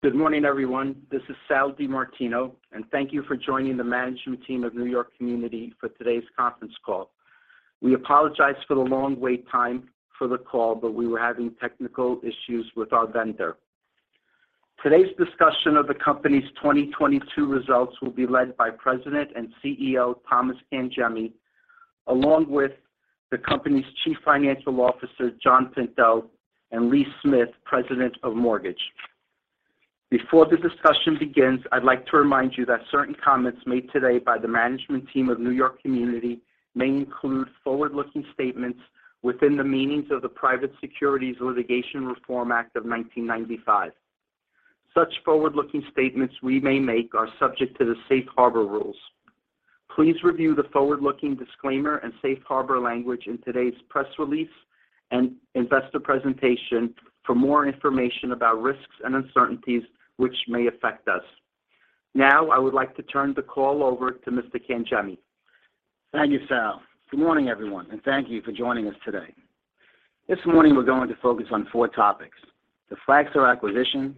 Good morning, everyone. This is Sal DiMartino. Thank you for joining the management team of New York Community for today's conference call. We apologize for the long wait time for the call. We were having technical issues with our vendor. Today's discussion of the company's 2022 results will be led by President and CEO Thomas Cangemi, along with the company's Chief Financial Officer, John Pinto, and Lee Smith, President of Mortgage. Before the discussion begins, I'd like to remind you that certain comments made today by the management team of New York Community may include forward-looking statements within the meanings of the Private Securities Litigation Reform Act of 1995. Such forward-looking statements we may make are subject to the safe harbor rules. Please review the forward-looking disclaimer and safe harbor language in today's press release and investor presentation for more information about risks and uncertainties which may affect us. Now, I would like to turn the call over to Mr. Cangemi. Thank you, Sal. Good morning, everyone, and thank you for joining us today. This morning we're going to focus on four topics: the Flagstar acquisition,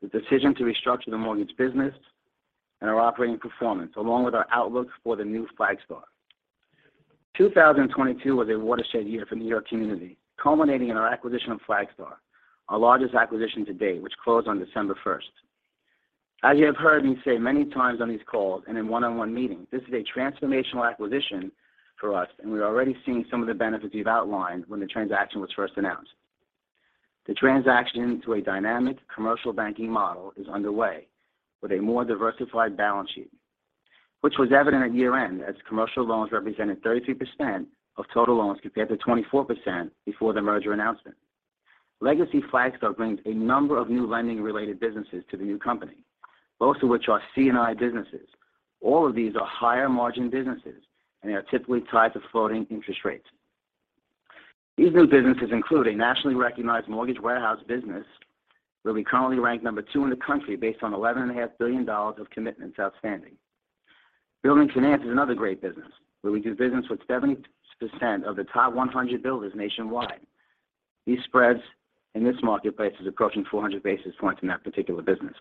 the decision to restructure the mortgage business, and our operating performance, along with our outlook for the new Flagstar. 2022 was a watershed year for New York Community, culminating in our acquisition of Flagstar, our largest acquisition to date, which closed on December 1st. As you have heard me say many times on these calls and in one-on-one meetings, this is a transformational acquisition for us, and we're already seeing some of the benefits we've outlined when the transaction was first announced. The transaction to a dynamic commercial banking model is underway with a more diversified balance sheet, which was evident at year-end as commercial loans represented 33% of total loans, compared to 24% before the merger announcement. Legacy Flagstar brings a number of new lending-related businesses to the new company, most of which are C&I businesses. All of these are higher-margin businesses, and they are typically tied to floating interest rates. These new businesses include a nationally recognized mortgage warehouse business, where we currently rank number two in the country based on $11.5 billion of commitments outstanding. Building finance is another great business, where we do business with 70% of the top 100 builders nationwide. These spreads in this marketplace is approaching 400 basis points in that particular business.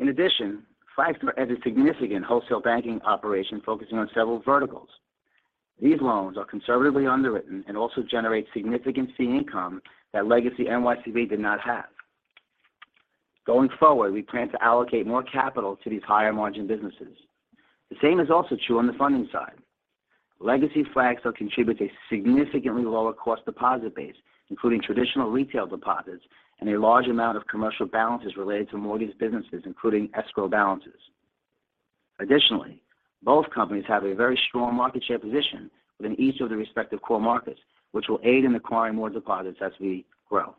In addition, Flagstar has a significant wholesale banking operation focusing on several verticals. These loans are conservatively underwritten and also generate significant fee income that Legacy NYCB did not have. Going forward, we plan to allocate more capital to these higher-margin businesses. The same is also true on the funding side. Legacy Flagstar contributes a significantly lower cost deposit base, including traditional retail deposits and a large amount of commercial balances related to mortgage businesses, including escrow balances. Both companies have a very strong market share position within each of their respective core markets, which will aid in acquiring more deposits as we grow.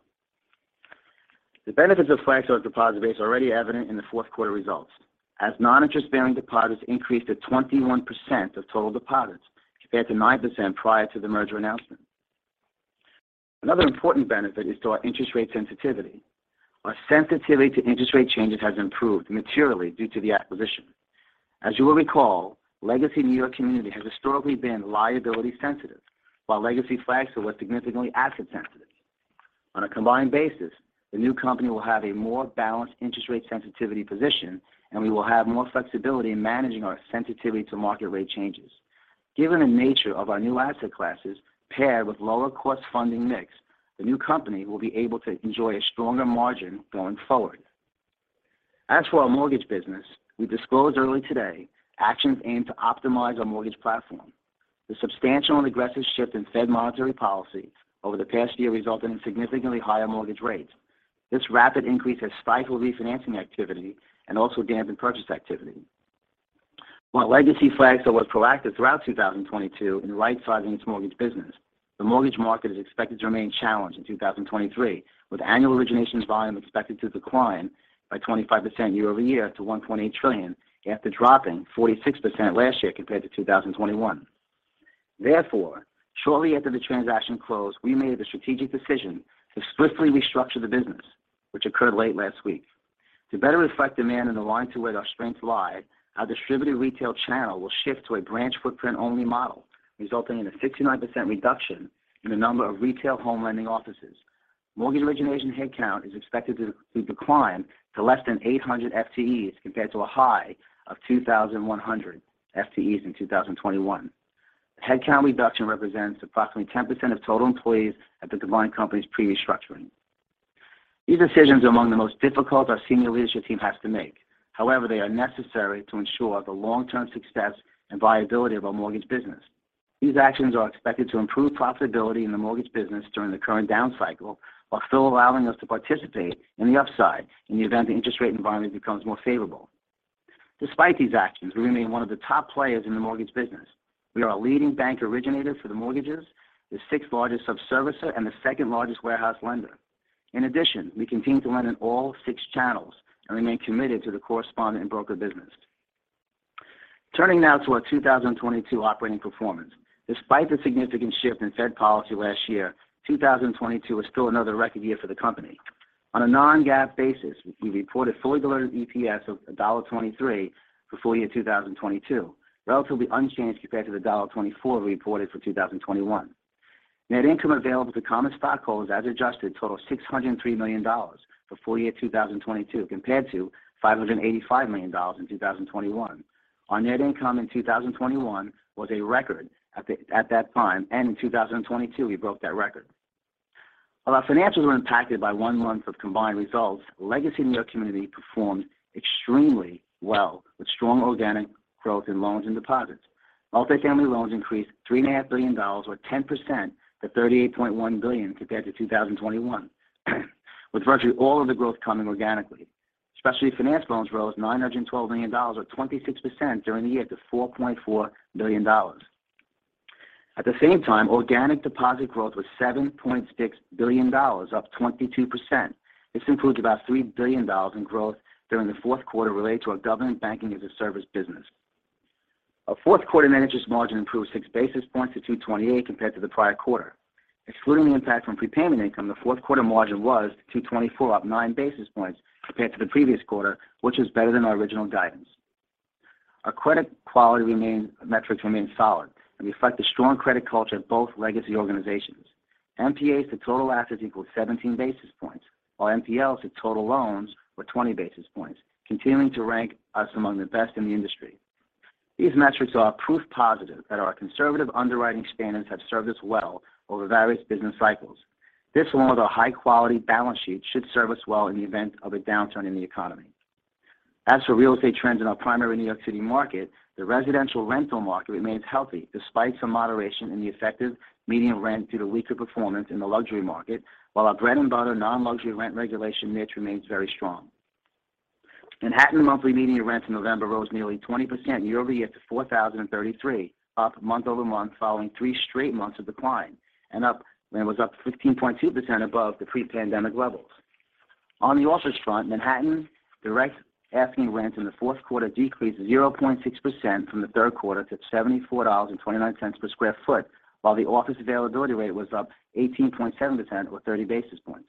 The benefits of Flagstar's deposit base are already evident in the fourth quarter results as non-interest-bearing deposits increased to 21% of total deposits compared to 9% prior to the merger announcement. Another important benefit is to our interest rate sensitivity. Our sensitivity to interest rate changes has improved materially due to the acquisition. As you will recall, Legacy New York Community has historically been liability sensitive, while Legacy Flagstar was significantly asset sensitive. On a combined basis, the new company will have a more balanced interest rate sensitivity position, and we will have more flexibility in managing our sensitivity to market rate changes. Given the nature of our new asset classes paired with lower-cost funding mix, the new company will be able to enjoy a stronger margin going forward. As for our mortgage business, we disclosed early today actions aimed to optimize our mortgage platform. The substantial and aggressive shift in Fed monetary policy over the past year resulted in significantly higher mortgage rates. This rapid increase has stifled refinancing activity and also dampened purchase activity. While Legacy Flagstar was proactive throughout 2022 in rightsizing its mortgage business, the mortgage market is expected to remain challenged in 2023, with annual origination volume expected to decline by 25% year-over-year to $1.8 trillion after dropping 46% last year compared to 2021. Shortly after the transaction closed, we made the strategic decision to swiftly restructure the business, which occurred late last week. To better reflect demand and align to where our strengths lie, our distributed retail channel will shift to a branch footprint-only model, resulting in a 69% reduction in the number of retail home lending offices. Mortgage origination headcount is expected to decline to less than 800 FTEs compared to a high of 2,100 FTEs in 2021. The headcount reduction represents approximately 10% of total employees at the combined companies pre-restructuring. These decisions are among the most difficult our senior leadership team has to make. However, they are necessary to ensure the long-term success and viability of our mortgage business. These actions are expected to improve profitability in the mortgage business during the current down cycle while still allowing us to participate in the upside in the event the interest rate environment becomes more favorable. Despite these actions, we remain one of the top players in the mortgage business. We are a leading bank originator for the mortgages, the sixth largest sub-servicer, and the second largest warehouse lender. In addition, we continue to lend in all six channels and remain committed to the correspondent and broker business. Turning now to our 2022 operating performance. Despite the significant shift in Fed policy last year, 2022 was still another record year for the company. On a non-GAAP basis, we reported fully diluted EPS of $1.23 for full year 2022, relatively unchanged compared to the $1.24 we reported for 2021. Net income available to common stockholders as adjusted totaled $603 million for full year 2022 compared to $585 million in 2021. Our net income in 2021 was a record at that time, and in 2022, we broke that record. While our financials were impacted by one month of combined results, legacy New York Community performed extremely well with strong organic growth in loans and deposits. Multifamily loans increased $3.5 billion or 10% to $38.1 billion compared to 2021 with virtually all of the growth coming organically. Specialty finance loans rose $912 million or 26% during the year to $4.4 billion. At the same time, organic deposit growth was $7.6 billion, up 22%. This includes about $3 billion in growth during the fourth quarter related to our Government Banking as a Service business. Our fourth quarter net interest margin improved 6 basis points to 2.28% compared to the prior quarter. Excluding the impact from prepayment income, the fourth quarter margin was 2.24%, up 9 basis points compared to the previous quarter, which is better than our original guidance. Our credit quality metrics remain solid and reflect the strong credit culture of both legacy organizations. NPAs to total assets equals 17 basis points, while NPLs to total loans were 20 basis points, continuing to rank us among the best in the industry. These metrics are proof positive that our conservative underwriting standards have served us well over various business cycles. This, along with our high-quality balance sheet, should serve us well in the event of a downturn in the economy. As for real estate trends in our primary New York City market, the residential rental market remains healthy despite some moderation in the effective median rent due to weaker performance in the luxury market, while our bread and butter non-luxury rent regulation niche remains very strong. Manhattan monthly median rents in November rose nearly 20% year-over-year to $4,033, up month-over-month following three straight months of decline and was up 15.2% above the pre-pandemic levels. The office front, Manhattan direct asking rents in the fourth quarter decreased 0.6% from the third quarter to $74.29 per sq ft, while the office availability rate was up 18.7% or 30 basis points.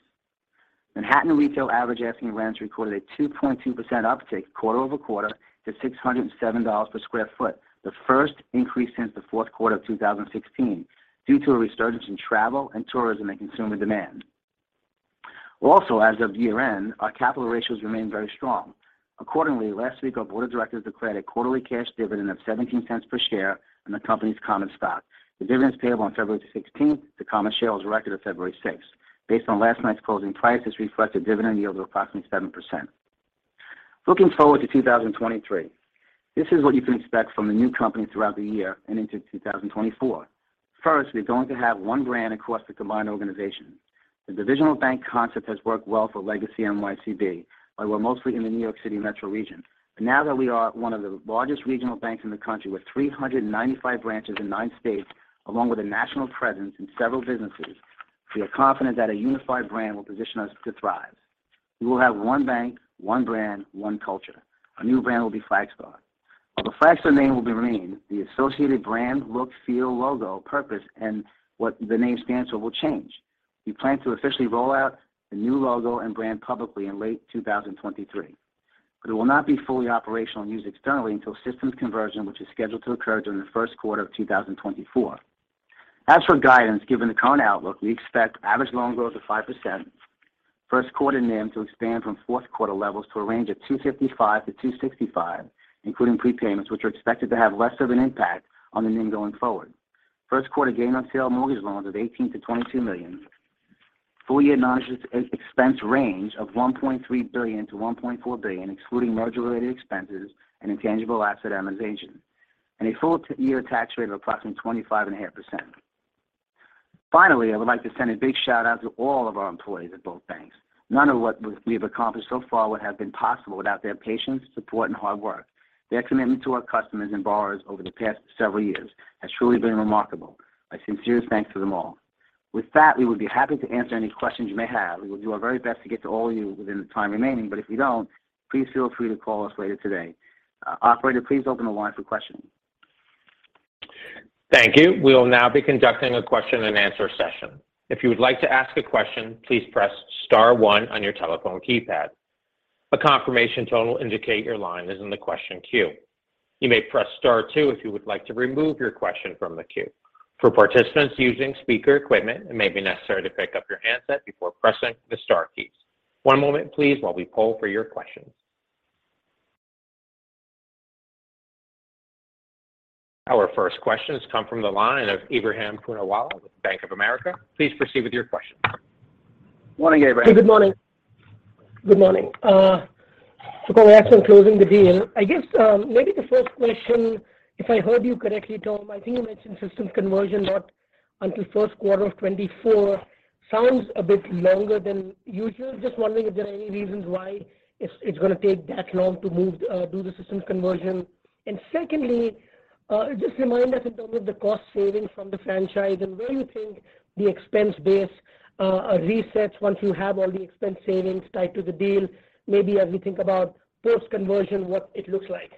Manhattan retail average asking rents recorded a 2.2% uptick quarter-over-quarter to $607 per sq ft, the first increase since the fourth quarter of 2016 due to a resurgence in travel and tourism and consumer demand. As of year-end, our capital ratios remain very strong. Accordingly, last week, our board of directors declared a quarterly cash dividend of $0.17 per share on the company's common stock. The dividend is payable on February 16th to common shares recorded on February 6th. Based on last night's closing price, this reflects a dividend yield of approximately 7%. Looking forward to 2023, this is what you can expect from the new company throughout the year and into 2024. First, we're going to have one brand across the combined organization. The divisional bank concept has worked well for legacy NYCB, but we're mostly in the New York City metro region. Now that we are one of the largest regional banks in the country with 395 branches in nine states, along with a national presence in several businesses, we are confident that a unified brand will position us to thrive. We will have one bank, one brand, one culture. Our new brand will be Flagstar. While the Flagstar name will remain, the associated brand, look, feel, logo, purpose, and what the name stands for will change. We plan to officially roll out the new logo and brand publicly in late 2023, but it will not be fully operational and used externally until systems conversion, which is scheduled to occur during the first quarter of 2024. As for guidance, given the current outlook, we expect average loan growth of 5%, first quarter NIM to expand from fourth quarter levels to a range of 2.55%-2.65%, including prepayments, which are expected to have less of an impact on the NIM going forward. First quarter gain on sale mortgage loans of $18 million-$22 million, full year non-interest expense range of $1.3 billion-$1.4 billion, excluding merger-related expenses and intangible asset amortization, and a full year tax rate of approximately 25.5%. Finally, I would like to send a big shout-out to all of our employees at both banks. None of what we've accomplished so far would have been possible without their patience, support, and hard work. Their commitment to our customers and borrowers over the past several years has truly been remarkable. My sincerest thanks to them all. With that, we would be happy to answer any questions you may have. We will do our very best to get to all of you within the time remaining, but if we don't, please feel free to call us later today. Operator, please open the line for questions. Thank you. We will now be conducting a question and answer session. If you would like to ask a question, please press star one on your telephone keypad. A confirmation tone will indicate your line is in the question queue. You may press star two if you would like to remove your question from the queue. For participants using speaker equipment, it may be necessary to pick up your handset before pressing the star keys. One moment, please, while we poll for your questions. Our first question has come from the line of Ebrahim Poonawala with Bank of America. Please proceed with your question. Morning, Ebrahim. Good morning. Good morning. Congrats on closing the deal. I guess, maybe the first question, if I heard you correctly, Tom, I think you mentioned systems conversion not until first quarter of 2024. Sounds a bit longer than usual. Just wondering if there are any reasons why it's gonna take that long to move, do the systems conversion? Secondly, just remind us in terms of the cost savings from the franchise and where you think the expense base, resets once you have all the expense savings tied to the deal, maybe as we think about post-conversion, what it looks like?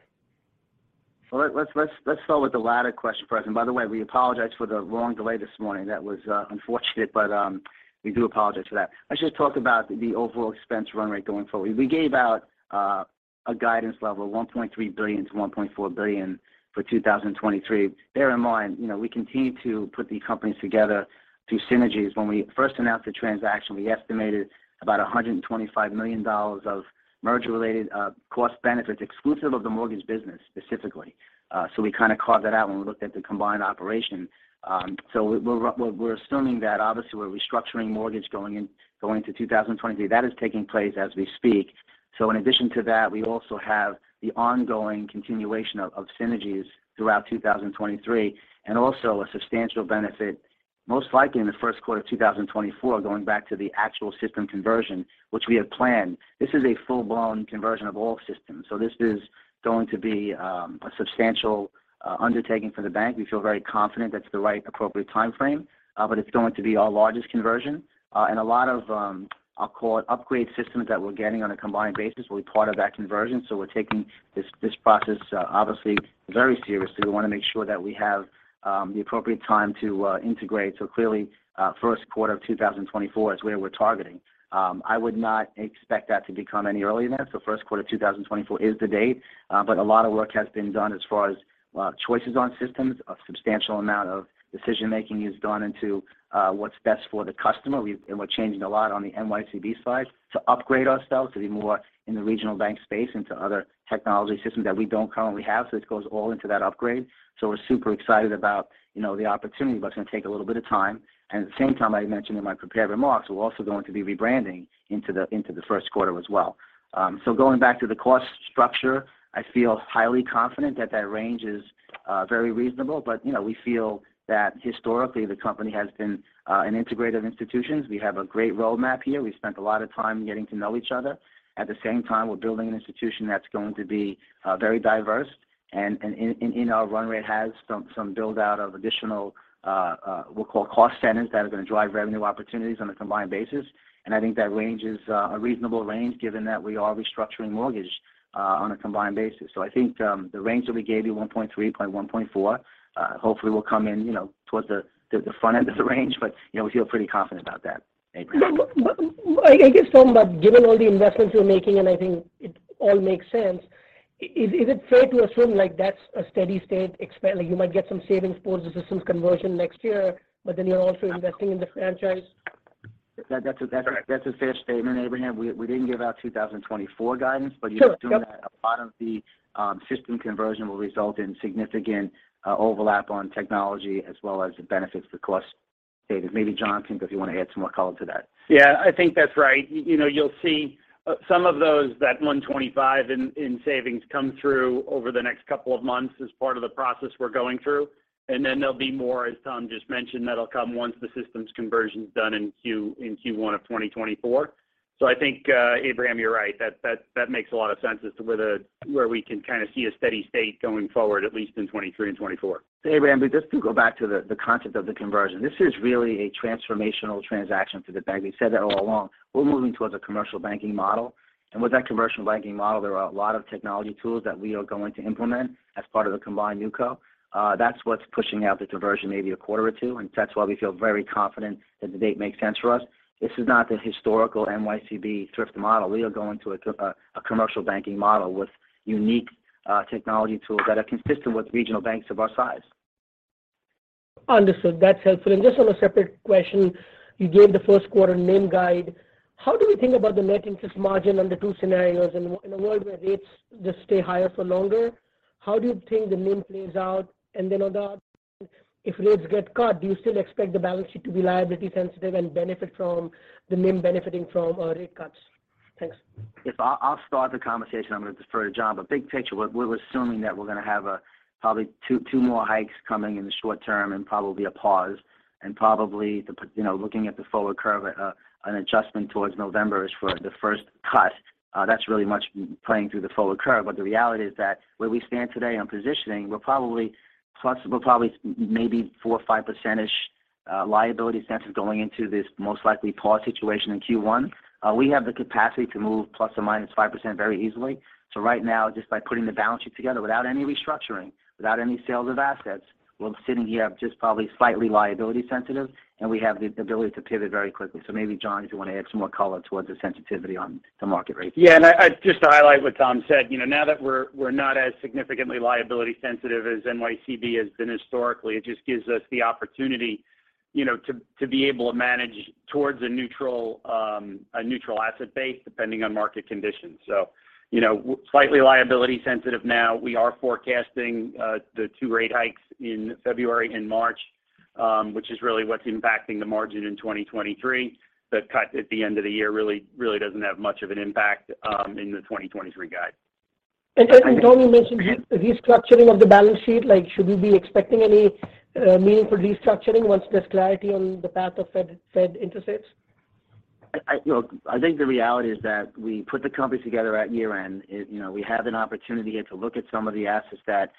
Let's start with the latter question first. By the way, we apologize for the long delay this morning. That was unfortunate, but we do apologize for that. I just talked about the overall expense run rate going forward. We gave out a guidance level $1.3 billion-$1.4 billion for 2023. Bear in mind, you know, we continue to put these companies together through synergies. When we first announced the transaction, we estimated about $125 million of merger related cost benefits exclusive of the mortgage business specifically. We kind of carved that out when we looked at the combined operation. We're assuming that obviously we're restructuring mortgage going into 2023. That is taking place as we speak. In addition to that, we also have the ongoing continuation of synergies throughout 2023 and also a substantial benefit most likely in the first quarter of 2024, going back to the actual system conversion which we have planned. This is a full-blown conversion of all systems. This is going to be a substantial undertaking for the bank. We feel very confident that's the right appropriate time frame, but it's going to be our largest conversion. A lot of, I'll call it upgrade systems that we're getting on a combined basis will be part of that conversion. We're taking this process obviously very seriously. We want to make sure that we have the appropriate time to integrate. Clearly, first quarter of 2024 is where we're targeting. I would not expect that to become any earlier than that. First quarter 2024 is the date, but a lot of work has been done as far as choices on systems. A substantial amount of decision-making has gone into what's best for the customer. And we're changing a lot on the NYCB side to upgrade ourselves to be more in the regional bank space into other technology systems that we don't currently have. This goes all into that upgrade. We're super excited about, you know, the opportunity, but it's going to take a little bit of time. At the same time, I mentioned in my prepared remarks, we're also going to be rebranding into the first quarter as well. Going back to the cost structure, I feel highly confident that that range is very reasonable. You know, we feel that historically the company has been an integrative institutions. We have a great roadmap here. We spent a lot of time getting to know each other. At the same time, we're building an institution that's going to be very diverse and in our run rate has some build out of additional, we'll call cost centers that are going to drive revenue opportunities on a combined basis. I think that range is a reasonable range given that we are restructuring mortgage on a combined basis. I think the range that we gave you, $1.3-$1.4, hopefully will come in, you know, towards the front end of the range. You know, we feel pretty confident about that, Ebrahim. I guess, Tom, given all the investments you're making, and I think it all makes sense, is it fair to assume like that's a steady state like you might get some savings post the systems conversion next year, but then you're also investing in the franchise? That's a fair statement, Ebrahim. We didn't give out 2024 guidance. Sure. Yep. You're doing that. A lot of the system conversion will result in significant overlap on technology as well as the benefits to cost savings. Maybe Jonathan, if you want to add some more color to that. Yeah, I think that's right. You know, you'll see some of those that $125 in savings come through over the next couple of months as part of the process we're going through. There'll be more as Tom just mentioned, that'll come once the systems conversion is done in Q1 of 2024. I think Ebrahim, you're right, that makes a lot of sense as to where we can kind of see a steady state going forward at least in 2023 and 2024. Hey, Ebrahim. Just to go back to the concept of the conversion. This is really a transformational transaction for the bank. We've said that all along. We're moving towards a commercial banking model. With that commercial banking model, there are a lot of technology tools that we are going to implement as part of the combined NewCo. That's what's pushing out the diversion maybe a quarter or two. That's why we feel very confident that the date makes sense for us. This is not the historical NYCB thrift model. We are going to a commercial banking model with unique technology tools that are consistent with regional banks of our size. Understood. That's helpful. Just on a separate question, you gave the first quarter NIM guide. How do we think about the net interest margin under two scenarios in a world where rates just stay higher for longer, how do you think the NIM plays out? Then on the other, if rates get cut, do you still expect the balance sheet to be liability sensitive and benefit from the NIM benefiting from rate cuts? Thanks. I'll start the conversation. I'm going to defer to John. Big picture, we're assuming that we're going to have probably two more hikes coming in the short term and probably a pause and you know, looking at the forward curve, an adjustment towards November is for the first cut. That's really much playing through the forward curve. The reality is that where we stand today on positioning, we're probably maybe 4 or 5% liability sensitive going into this most likely pause situation in Q1. We have the capacity to move ±5% very easily. Right now, just by putting the balance sheet together without any restructuring, without any sales of assets, we're sitting here just probably slightly liability sensitive, and we have the ability to pivot very quickly. Maybe John, if you want to add some more color towards the sensitivity on the market rates. Yeah. I just to highlight what Tom said, you know, now that we're not as significantly liability sensitive as NYCB has been historically, it just gives us the opportunity, you know, to be able to manage towards a neutral, a neutral asset base depending on market conditions. You know, slightly liability sensitive now. We are forecasting the two rate hikes in February and March, which is really what's impacting the margin in 2023. The cut at the end of the year really doesn't have much of an impact in the 2023 guide. Tom, you mentioned restructuring of the balance sheet. Like, should we be expecting any meaningful restructuring once there's clarity on the path of Fed intersects? I think the reality is that we put the companies together at year-end. You know, we have an opportunity here to look at some of the assets that,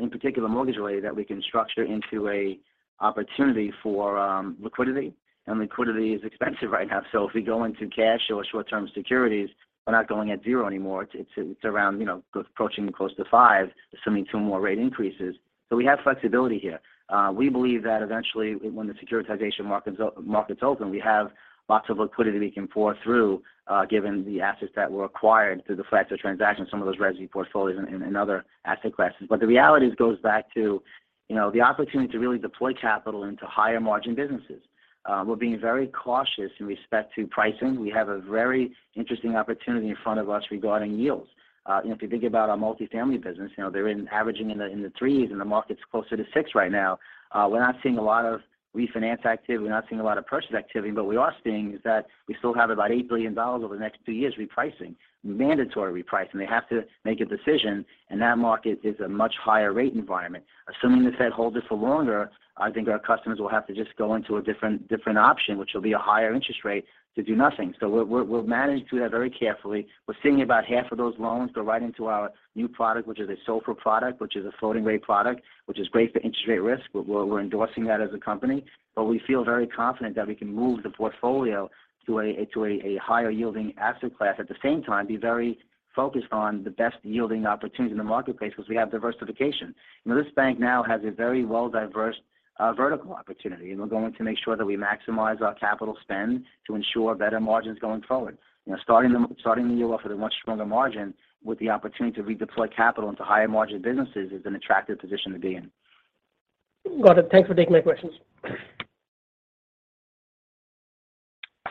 in particular mortgage-related, that we can structure into a opportunity for liquidity. Liquidity is expensive right now. If we go into cash or short-term securities, we're not going at zero anymore. It's around, you know, approaching close to five, assuming two more rate increases. We have flexibility here. We believe that eventually when the securitization markets open, we have lots of liquidity we can pour through, given the assets that were acquired through the Flagstar transaction, some of those resi portfolios and other asset classes. The reality is it goes back to, you know, the opportunity to really deploy capital into higher margin businesses. We're being very cautious in respect to pricing. We have a very interesting opportunity in front of us regarding yields. You know, if you think about our multifamily business, you know, they're averaging in the three's, and the market's closer to six right now. We're not seeing a lot of refinance activity. We're not seeing a lot of purchase activity, but we are seeing is that we still have about $8 billion over the next two years repricing. Mandatory repricing. They have to make a decision, and that market is a much higher rate environment. Assuming this holds us for longer, I think our customers will have to just go into a different option, which will be a higher interest rate to do nothing. We'll manage through that very carefully. We're seeing about half of those loans go right into our new product, which is a SOFR product, which is a floating rate product, which is great for interest rate risk. We're endorsing that as a company. We feel very confident that we can move the portfolio to a higher yielding asset class. At the same time, be very focused on the best yielding opportunities in the marketplace because we have diversification. You know, this bank now has a very well-diversified vertical opportunity, we're going to make sure that we maximize our capital spend to ensure better margins going forward. You know, starting the year off with a much stronger margin, with the opportunity to redeploy capital into higher margin businesses is an attractive position to be in. Got it. Thanks for taking my questions.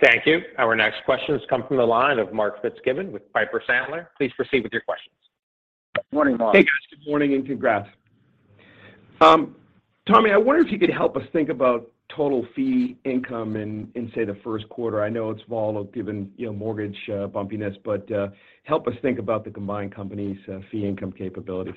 Thank you. Our next question has come from the line of Mark Fitzgibbon with Piper Sandler. Please proceed with your questions. Morning, Mark. Hey, guys. Good morning and congrats. Tommy, I wonder if you could help us think about total fee income in, say, the first quarter? I know it's small given, you know, mortgage, bumpiness, but, help us think about the combined companies' fee income capabilities.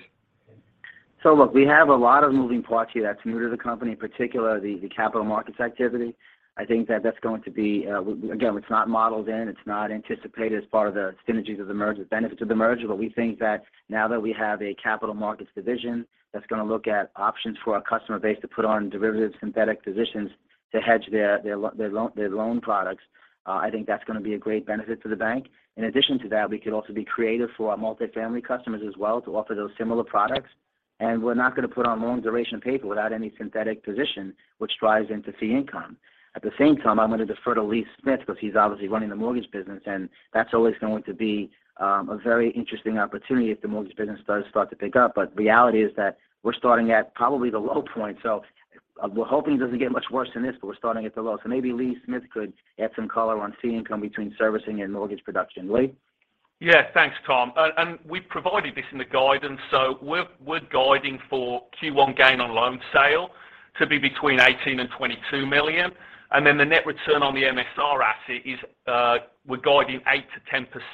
Look, we have a lot of moving parts here that's new to the company, particularly the capital markets activity. I think that that's going to be. Again, it's not modeled in, it's not anticipated as part of the synergies of the merger, the benefits of the merger. We think that now that we have a capital markets division that's gonna look at options for our customer base to put on derivative synthetic positions to hedge their loan products, I think that's gonna be a great benefit to the bank. In addition to that, we could also be creative for our multifamily customers as well to offer those similar products. We're not gonna put on long duration paper without any synthetic position which drives into fee income. At the same time, I'm gonna defer to Lee Smith because he's obviously running the mortgage business, and that's always going to be a very interesting opportunity if the mortgage business does start to pick up. Reality is that we're starting at probably the low point. We're hoping it doesn't get much worse than this, but we're starting at the low. Maybe Lee Smith could add some color on fee income between servicing and mortgage production. Lee? Yeah. Thanks, Tom. We provided this in the guidance, so we're guiding for Q1 gain on loan sale to be between $18 million-$22 million. Then the net return on the MSR asset is, we're guiding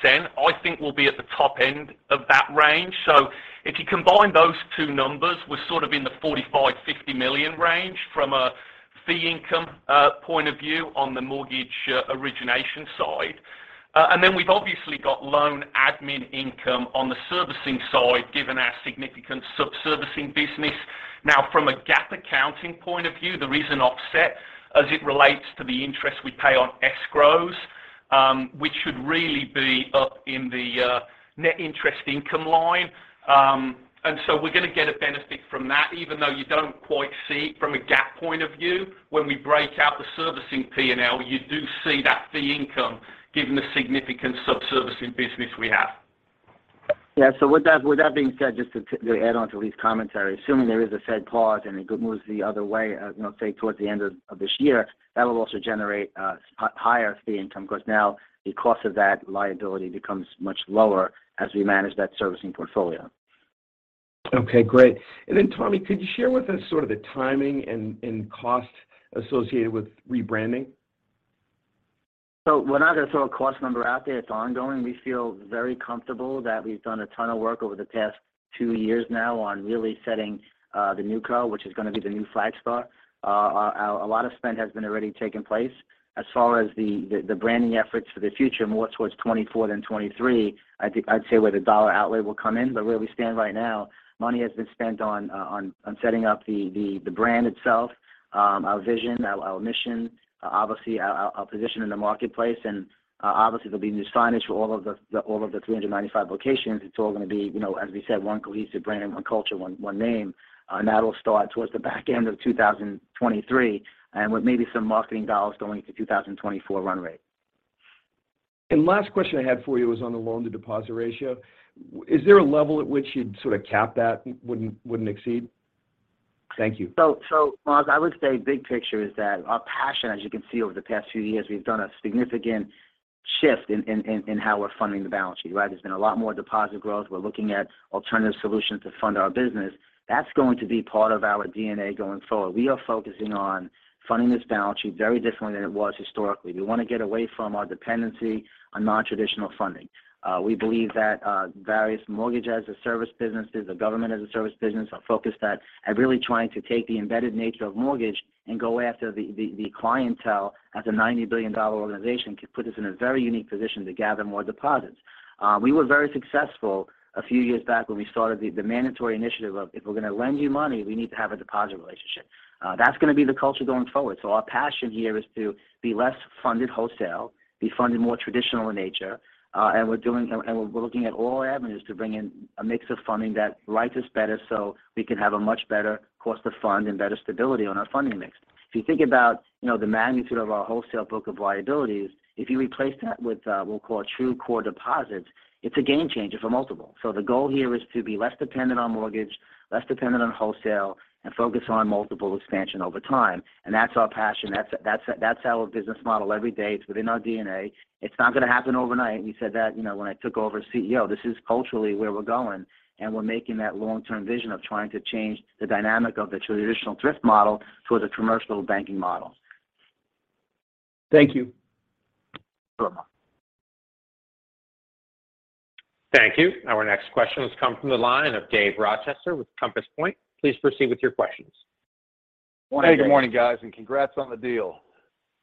8%-10%. I think we'll be at the top end of that range. If you combine those two numbers, we're sort of in the $45 million-$50 million range from a fee income point of view on the mortgage origination side. Then we've obviously got loan admin income on the servicing side given our significant sub-servicing business. Now, from a GAAP accounting point of view, there is an offset as it relates to the interest we pay on escrows, which should really be up in the net interest income line. We're gonna get a benefit from that even though you don't quite see it from a GAAP point of view. When we break out the servicing P&L, you do see that fee income given the significant sub-servicing business we have. With that being said, just to add on to Lee's commentary. Assuming there is a Fed pause and it moves the other way, you know, say towards the end of this year, that will also generate higher fee income because now the cost of that liability becomes much lower as we manage that servicing portfolio. Okay, great. Tommy, could you share with us sort of the timing and cost associated with rebranding? We're not going to throw a cost number out there. It's ongoing. We feel very comfortable that we've done a ton of work over the past two years now on really setting the NewCo, which is going to be the new Flagstar. A lot of spend has been already taken place. As far as the branding efforts for the future, more towards 2024 than 2023, I think I'd say where the $ outlay will come in. Where we stand right now, money has been spent on setting up the brand itself, our vision, our mission, obviously our position in the marketplace, and obviously there'll be new signage for all of the 395 locations. It's all gonna be, you know, as we said, one cohesive brand and one culture, one name. That'll start towards the back end of 2023, and with maybe some marketing dollars going into 2024 run rate. Last question I had for you was on the loan-to-deposit ratio. Is there a level at which you'd sort of cap that and wouldn't exceed? Thank you. Mark, I would say big picture is that our passion, as you can see over the past few years, we've done a significant shift in how we're funding the balance sheet, right? There's been a lot more deposit growth. We're looking at alternative solutions to fund our business. That's going to be part of our DNA going forward. We are focusing on funding this balance sheet very differently than it was historically. We want to get away from our dependency on non-traditional funding. We believe that various mortgage as a service businesses, the Government Banking as a Service business, are focused at really trying to take the embedded nature of mortgage and go after the clientele as a $90 billion organization can put us in a very unique position to gather more deposits. We were very successful a few years back when we started the mandatory initiative of, if we're going to lend you money, we need to have a deposit relationship. That's gonna be the culture going forward. Our passion here is to be less funded wholesale, be funded more traditional in nature, and we're looking at all our avenues to bring in a mix of funding that writes us better so we can have a much better cost to fund and better stability on our funding mix. If you think about, you know, the magnitude of our wholesale book of liabilities, if you replace that with, we'll call true core deposits, it's a game changer for multiple. The goal here is to be less dependent on mortgage, less dependent on wholesale, and focus on multiple expansion over time. That's our passion. That's our business model every day. It's within our DNA. It's not gonna happen overnight. We said that, you know, when I took over as CEO. This is culturally where we're going, and we're making that long-term vision of trying to change the dynamic of the traditional thrift model towards a commercial banking model. Thank you. Sure. Thank you. Our next question has come from the line of David Rochester with Compass Point. Please proceed with your questions. Morning- Hey, good morning, guys. Congrats on the deal.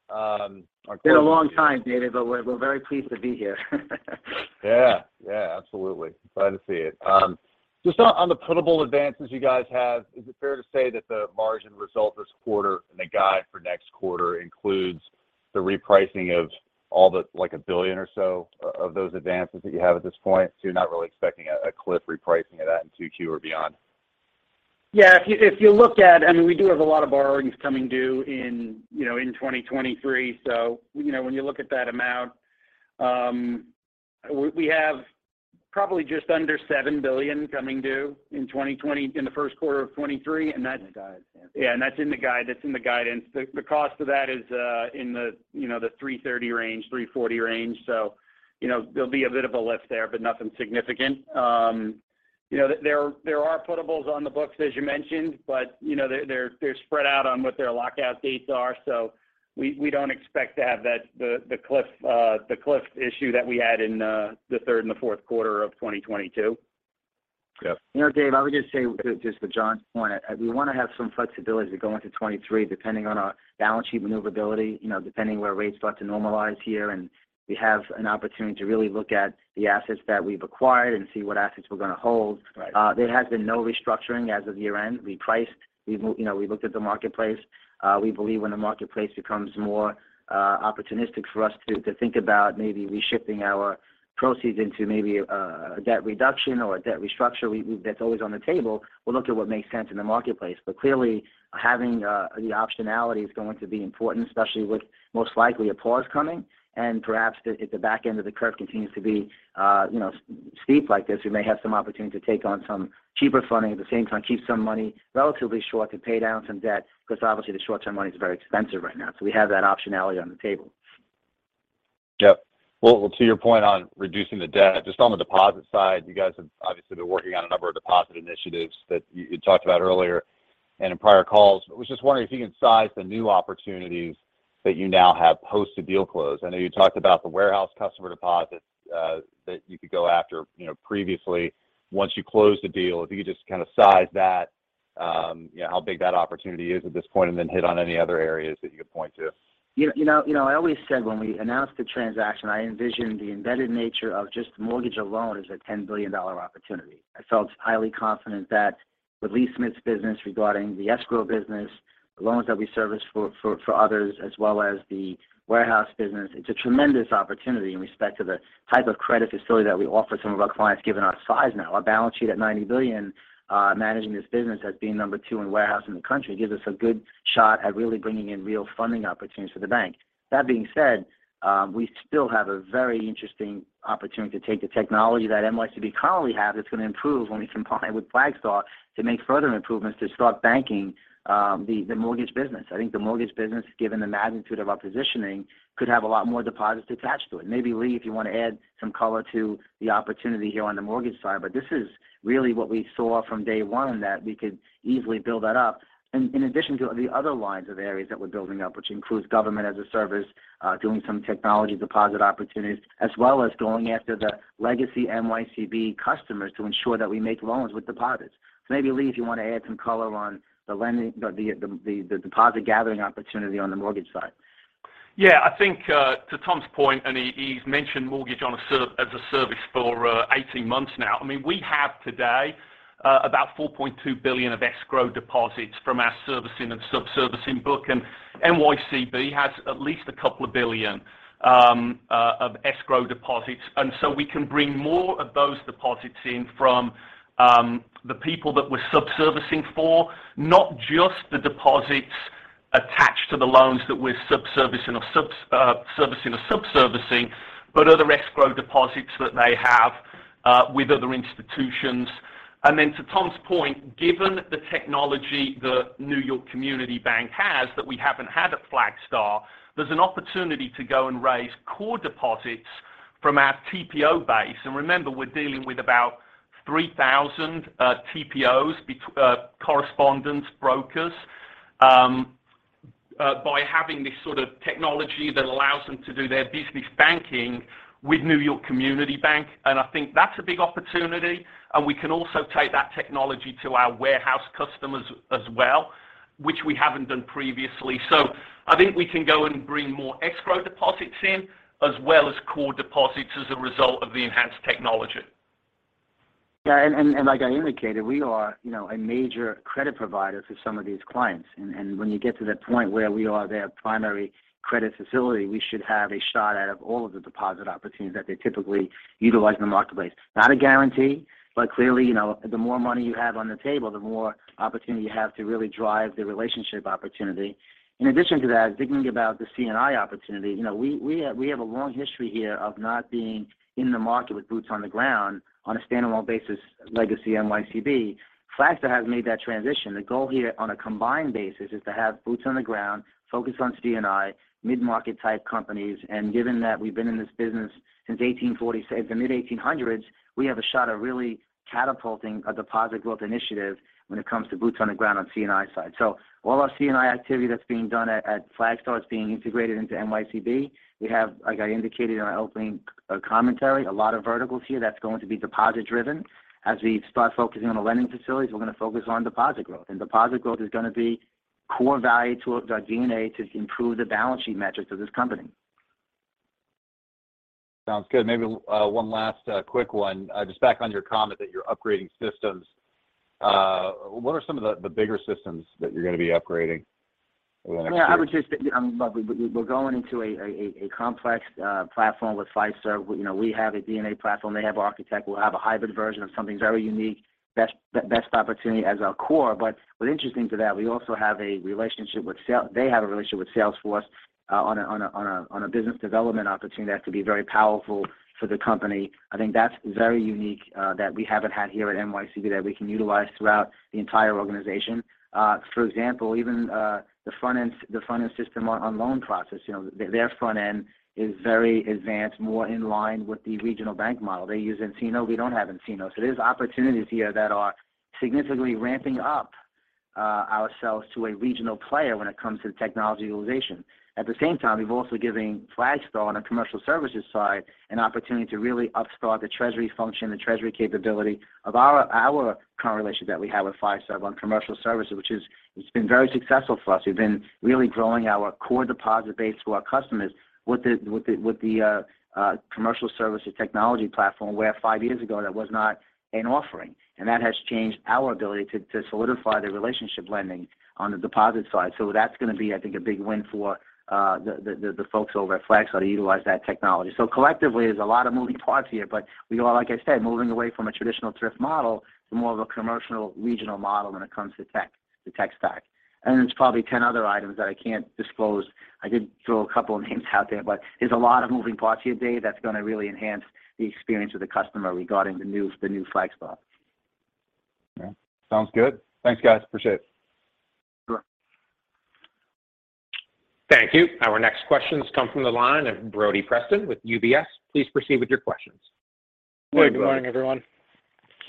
It's been a long time, David, but we're very pleased to be here. Yeah. Yeah, absolutely. Glad to see it. Just on the putable advances you guys have, is it fair to say that the margin result this quarter and the guide for next quarter includes the repricing of all the like $1 billion or so of those advances that you have at this point? You're not really expecting a cliff repricing of that in 2Q or beyond? Yeah. If you look at, I mean, we do have a lot of borrowings coming due in, you know, in 2023. You know, when you look at that amount, we have probably just under $7 billion coming due in the first quarter of 2023, and that's. In the guidance. Yeah. That's in the guide. That's in the guidance. The cost of that is in the, you know, the $330 range, $340 range. You know, there'll be a bit of a lift there, but nothing significant. You know, there are putables on the books as you mentioned, but you know, they're spread out on what their lockout dates are. We don't expect to have that the cliff issue that we had in the third and the fourth quarter of 2022. Yeah. You know, Dave, I would just say just to John's point, we wanna have some flexibility to go into 2023 depending on our balance sheet maneuverability. You know, depending where rates start to normalize here. We have an opportunity to really look at the assets that we've acquired and see what assets we're gonna hold. Right. There has been no restructuring as of year-end. We priced. You know, we looked at the marketplace. We believe when the marketplace becomes more opportunistic for us to think about maybe reshipping our proceeds into maybe a debt reduction or a debt restructure, that's always on the table. We'll look at what makes sense in the marketplace. Clearly, having the optionality is going to be important, especially with most likely a pause coming. Perhaps if the back end of the curve continues to be, you know, steep like this, we may have some opportunity to take on some cheaper funding. At the same time, keep some money relatively short to pay down some debt because obviously the short-term money is very expensive right now. We have that optionality on the table. Yeah. Well, to your point on reducing the debt, just on the deposit side, you guys have obviously been working on a number of deposit initiatives that you talked about earlier and in prior calls. I was just wondering if you can size the new opportunities that you now have post the deal close. I know you talked about the warehouse customer deposits that you could go after, you know, previously once you close the deal. If you could just kind of size that, how big that opportunity is at this point, and then hit on any other areas that you could point to. You know, you know, I always said when we announced the transaction, I envisioned the embedded nature of just mortgage alone as a $10 billion opportunity. I felt highly confident that with Lee Smith's business regarding the escrow business, the loans that we service for others as well as the warehouse business, it's a tremendous opportunity in respect to the type of credit facility that we offer some of our clients, given our size now. Our balance sheet at $90 billion, managing this business as being number two in warehousing in the country gives us a good shot at really bringing in real funding opportunities for the bank. That being said, we still have a very interesting opportunity to take the technology that NYCB currently have that's gonna improve when we combine with Flagstar to make further improvements to start banking the mortgage business. I think the mortgage business, given the magnitude of our positioning, could have a lot more deposits attached to it. Maybe Lee, if you want to add some color to the opportunity here on the mortgage side. This is really what we saw from day one that we could easily build that up in addition to the other lines of areas that we're building up. Which includes government as a service, doing some technology deposit opportunities, as well as going after the legacy NYCB customers to ensure that we make loans with deposits. Maybe Lee, if you want to add some color on the lending, the deposit gathering opportunity on the mortgage side. Yeah. I think, to Tom's point, he's mentioned mortgage as a service for 18 months now. I mean, we have today, about $4.2 billion of escrow deposits from our servicing and sub-servicing book. NYCB has at least $2 billion of escrow deposits. We can bring more of those deposits in from the people that we're sub-servicing for, not just the deposits attached to the loans that we're servicing or sub-servicing, but other escrow deposits that they have with other institutions. To Tom's point, given the technology that New York Community Bank has that we haven't had at Flagstar, there's an opportunity to go and raise core deposits from our TPO base. Remember, we're dealing with about 3,000 TPOs correspondence brokers by having this sort of technology that allows them to do their business banking with New York Community Bank. I think that's a big opportunity. We can also take that technology to our warehouse customers as well, which we haven't done previously. I think we can go and bring more escrow deposits in as well as core deposits as a result of the enhanced technology. Like I indicated, we are, you know, a major credit provider to some of these clients. When you get to that point where we are their primary credit facility, we should have a shot at of all of the deposit opportunities that they typically utilize in the marketplace. Clearly, you know, the more money you have on the table, the more opportunity you have to really drive the relationship opportunity. In addition to that, thinking about the C&I opportunity, you know, we have a long history here of not being in the market with boots on the ground on a standalone basis, legacy NYCB. Flagstar has made that transition. The goal here on a combined basis is to have boots on the ground, focus on C&I, mid-market type companies. Given that we've been in this business since the mid-1800s, we have a shot of really catapulting a deposit growth initiative when it comes to boots on the ground on C&I side. All our C&I activity that's being done at Flagstar is being integrated into NYCB. We have, like I indicated in our opening commentary, a lot of verticals here that's going to be deposit driven. As we start focusing on the lending facilities, we're going to focus on deposit growth. Deposit growth is going to be core value to our DNA to improve the balance sheet metrics of this company. Sounds good. Maybe one last quick one. Just back on your comment that you're upgrading systems. What are some of the bigger systems that you're going to be upgrading over the next year? Yeah. We're going into a complex platform with Flagstar. You know, we have a DNA platform. They have Architect. We'll have a hybrid version of something very unique. Best opportunity as our core. What's interesting to that, we also have a relationship with they have a relationship with Salesforce on a business development opportunity that could be very powerful for the company. I think that's very unique that we haven't had here at NYCB that we can utilize throughout the entire organization. For example, even the front-end system on loan process. You know, their front end is very advanced, more in line with the regional bank model. They use nCino. We don't have nCino. There's opportunities here that are significantly ramping up ourselves to a regional player when it comes to technology utilization. At the same time, we've also giving Flagstar on a commercial services side an opportunity to really upstart the treasury function, the treasury capability of our current relationship that we have with Flagstar on commercial services, it's been very successful for us. We've been really growing our core deposit base to our customers with the commercial services technology platform, where five years ago that was not an offering. That has changed our ability to solidify the relationship lending on the deposit side. That's going to be, I think, a big win for the folks over at Flagstar to utilize that technology. Collectively, there's a lot of moving parts here, but we are, like I said, moving away from a traditional thrift model to more of a commercial regional model when it comes to tech, the tech stack. There's probably 10 other items that I can't disclose. I did throw a couple of names out there, but there's a lot of moving parts here, Dave, that's going to really enhance the experience of the customer regarding the new Flagstar. Yeah. Sounds good. Thanks, guys. Appreciate it. Sure. Thank you. Our next question comes from the line of Brody Preston with UBS. Please proceed with your questions. Hey, good morning, everyone.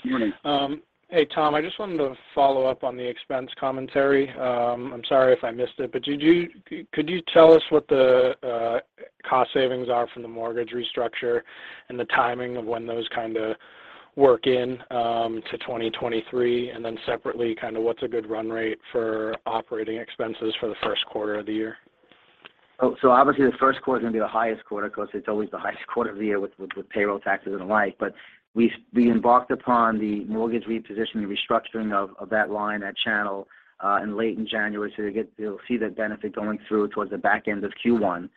Good morning. Hey, Tom. I just wanted to follow up on the expense commentary. I'm sorry if I missed it, but could you tell us what the cost savings are from the mortgage restructure and the timing of when those kinda work in to 2023? Separately, kind of what's a good run rate for operating expenses for the first quarter of the year? Obviously the first quarter is going to be the highest quarter because it's always the highest quarter of the year with payroll taxes and the like. We embarked upon the mortgage repositioning restructuring of that line, that channel in late January. You'll see the benefit going through towards the back end of Q1.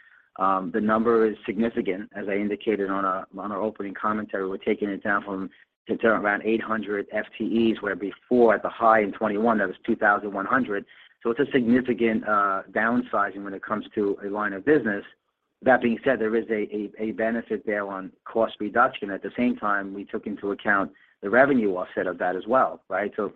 The number is significant, as I indicated on our opening commentary. We're taking it down from to around 800 FTEs, where before at the high in 2021, that was 2,100. It's a significant downsizing when it comes to a line of business. That being said, there is a benefit there on cost reduction. At the same time, we took into account the revenue offset of that as well, right? Because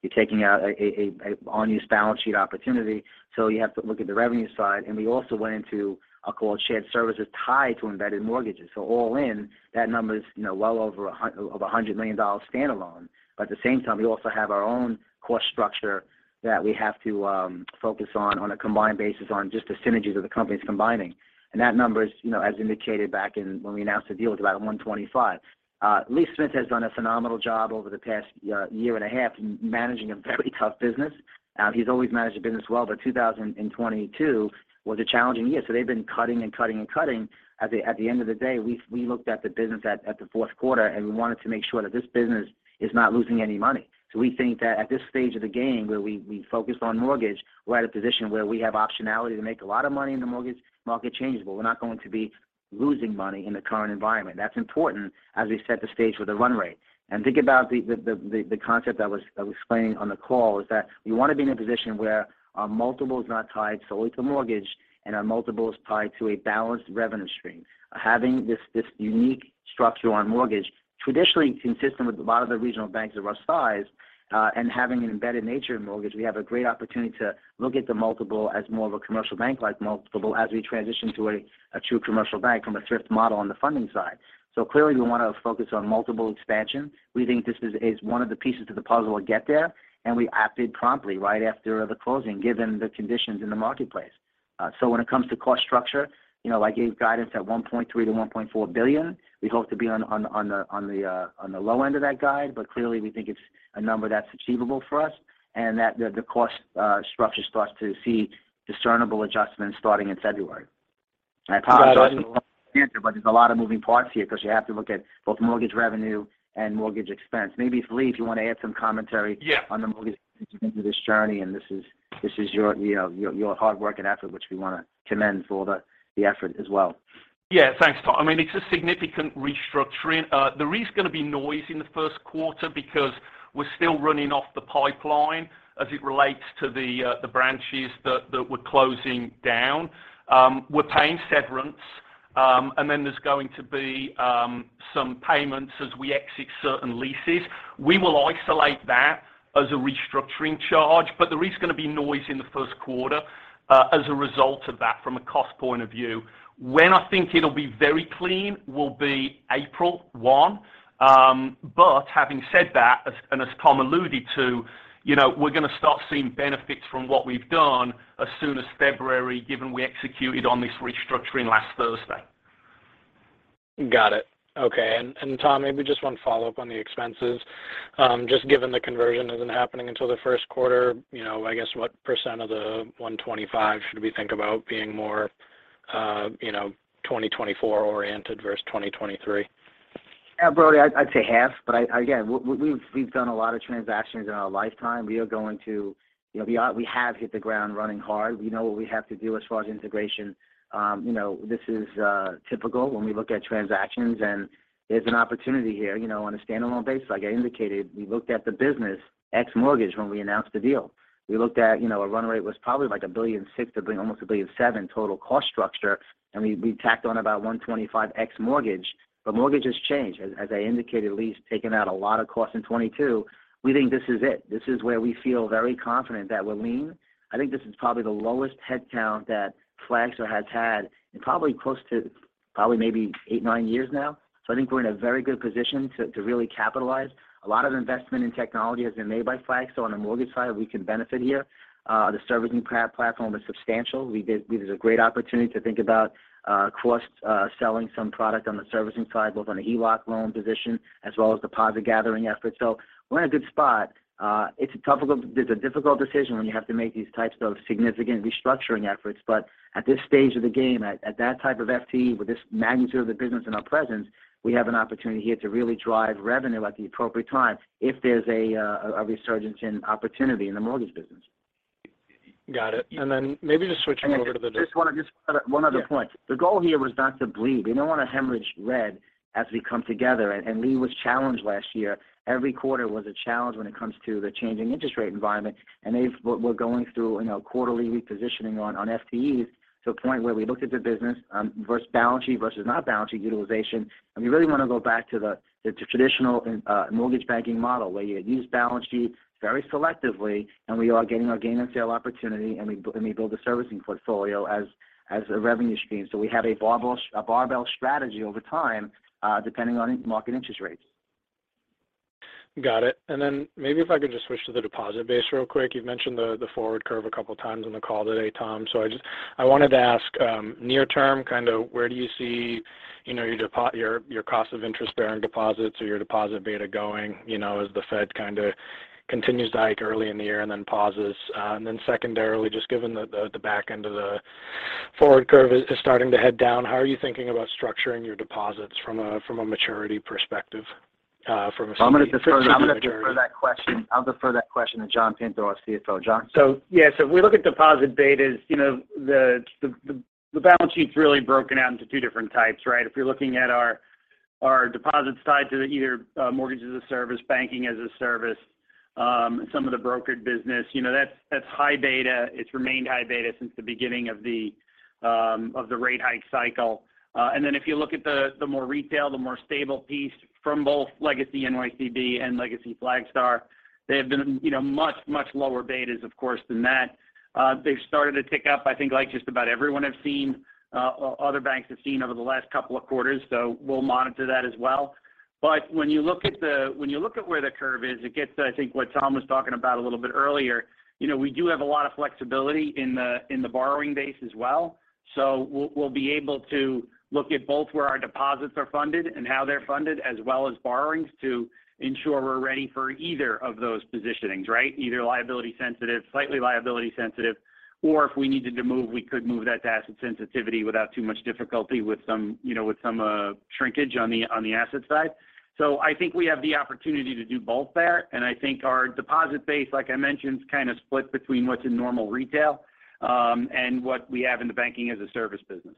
you're taking out a on-use balance sheet opportunity, so you have to look at the revenue side. We also went into a core shared services tied to embedded mortgages. All in, that number is, you know, well over $100 million standalone. At the same time, we also have our own cost structure that we have to focus on on a combined basis on just the synergies of the companies combining. That number is, you know, as indicated back in when we announced the deal, it's about $125 million. Lee Smith has done a phenomenal job over the past year and a half managing a very tough business. He's always managed the business well, but 2022 was a challenging year. They've been cutting and cutting and cutting. At the end of the day, we looked at the business at the fourth quarter and we wanted to make sure that this business is not losing any money. We think that at this stage of the game where we focus on mortgage, we're at a position where we have optionality to make a lot of money in the mortgage market changeable. We're not going to be losing money in the current environment. That's important as we set the stage for the run rate. Think about the concept I was explaining on the call is that we want to be in a position where our multiple is not tied solely to mortgage and our multiple is tied to a balanced revenue stream. Having this unique structure on mortgage, traditionally consistent with a lot of the regional banks of our size, and having an embedded nature in mortgage, we have a great opportunity to look at the multiple as more of a commercial bank-like multiple as we transition to a true commercial bank from a thrift model on the funding side. Clearly, we want to focus on multiple expansion. We think this is one of the pieces of the puzzle to get there. We acted promptly right after the closing, given the conditions in the marketplace. When it comes to cost structure, you know, I gave guidance at $1.3 billion-$1.4 billion. We hope to be on the low end of that guide. Clearly we think it's a number that's achievable for us and that the cost structure starts to see discernible adjustments starting in February. I apologize, there's a lot of moving parts here because you have to look at both mortgage revenue and mortgage expense. Maybe if Lee, if you want to add some commentary. Yeah On the mortgage into this journey, and this is your, you know, your hard work and effort, which we wanna commend for the effort as well. Yeah. Thanks, Tom. I mean, it's a significant restructuring. There is gonna be noise in the first quarter because we're still running off the pipeline as it relates to the branches that we're closing down. We're paying severance, and then there's going to be some payments as we exit certain leases. We will isolate that as a restructuring charge, but there is gonna be noise in the first quarter as a result of that from a cost point of view. When I think it'll be very clean will be April 1. Having said that, and as Tom alluded to, you know, we're gonna start seeing benefits from what we've done as soon as February, given we executed on this restructuring last Thursday. Got it. Okay. Tom, maybe just one follow-up on the expenses. Just given the conversion isn't happening until the first quarter, you know, I guess what % of the 125 should we think about being more, you know, 2024 oriented versus 2023? Yeah, Brody, I'd say half. Again, we've done a lot of transactions in our lifetime. You know, we have hit the ground running hard. We know what we have to do as far as integration. You know, this is typical when we look at transactions. There's an opportunity here, you know, on a standalone basis. Like I indicated, we looked at the business ex mortgage when we announced the deal. We looked at, you know, a run rate was probably like $1.6 billion to almost $1.7 billion total cost structure. We tacked on about $125 ex mortgage. Mortgage has changed. As I indicated, Lee's taken out a lot of cost in 2022. We think this is it. This is where we feel very confident that we're lean. I think this is probably the lowest headcount that Flagstar has had in close to maybe eight, nine years now. I think we're in a very good position to really capitalize. A lot of investment in technology has been made by Flagstar on the mortgage side. We can benefit here. The servicing platform is substantial. We have a great opportunity to think about cross selling some product on the servicing side, both on the HELOC loan position as well as deposit gathering efforts. We're in a good spot. It's a difficult decision when you have to make these types of significant restructuring efforts. At this stage of the game, at that type of FTE with this magnitude of the business and our presence, we have an opportunity here to really drive revenue at the appropriate time if there's a resurgence in opportunity in the mortgage business. Got it. maybe just switching over to. Just one other point. Yeah. The goal here was not to bleed. We don't want to hemorrhage red as we come together. Lee was challenged last year. Every quarter was a challenge when it comes to the changing interest rate environment. We're going through, you know, quarterly repositioning on FTEs to a point where we looked at the business versus balance sheet versus not balance sheet utilization. We really wanna go back to the traditional mortgage banking model, where you use balance sheet very selectively, and we are getting our gain and sale opportunity, and we build a servicing portfolio as a revenue stream. We have a barbell strategy over time, depending on market interest rates. Got it. Maybe if I could just switch to the deposit base real quick. You've mentioned the forward curve a couple times on the call today, Tom. I wanted to ask, near term, kind of where do you see, you know, your your cost of interest bearing deposits or your deposit beta going, you know, as the Fed kind of continues to hike early in the year and then pauses? Secondarily, just given the, the back end of the forward curve is starting to head down, how are you thinking about structuring your deposits from a, from a maturity perspective, from a CD maturity- I'm going to defer that question. I'll defer that question to John Pinto, our CFO. John? Yeah. We look at deposit betas. You know, the balance sheet's really broken out into two different types, right? If you're looking at our deposits tied to either mortgage as a service, banking as a service, some of the brokered business, you know, that's high beta. It's remained high beta since the beginning of the rate hike cycle. If you look at the more retail, the more stable piece from both legacy NYCB and legacy Flagstar, they have been, you know, much lower betas, of course, than that. They've started to tick up, I think like just about everyone I've seen, other banks have seen over the last couple of quarters. We'll monitor that as well. When you look at where the curve is, it gets I think what Tom was talking about a little bit earlier. You know, we do have a lot of flexibility in the borrowing base as well. We'll be able to look at both where our deposits are funded and how they're funded, as well as borrowings to ensure we're ready for either of those positionings, right? Either liability sensitive, slightly liability sensitive, or if we needed to move, we could move that to asset sensitivity without too much difficulty with some, you know, shrinkage on the asset side. I think we have the opportunity to do both there. I think our deposit base, like I mentioned, is kind of split between what's in normal retail, and what we have in the banking-as-a-service business.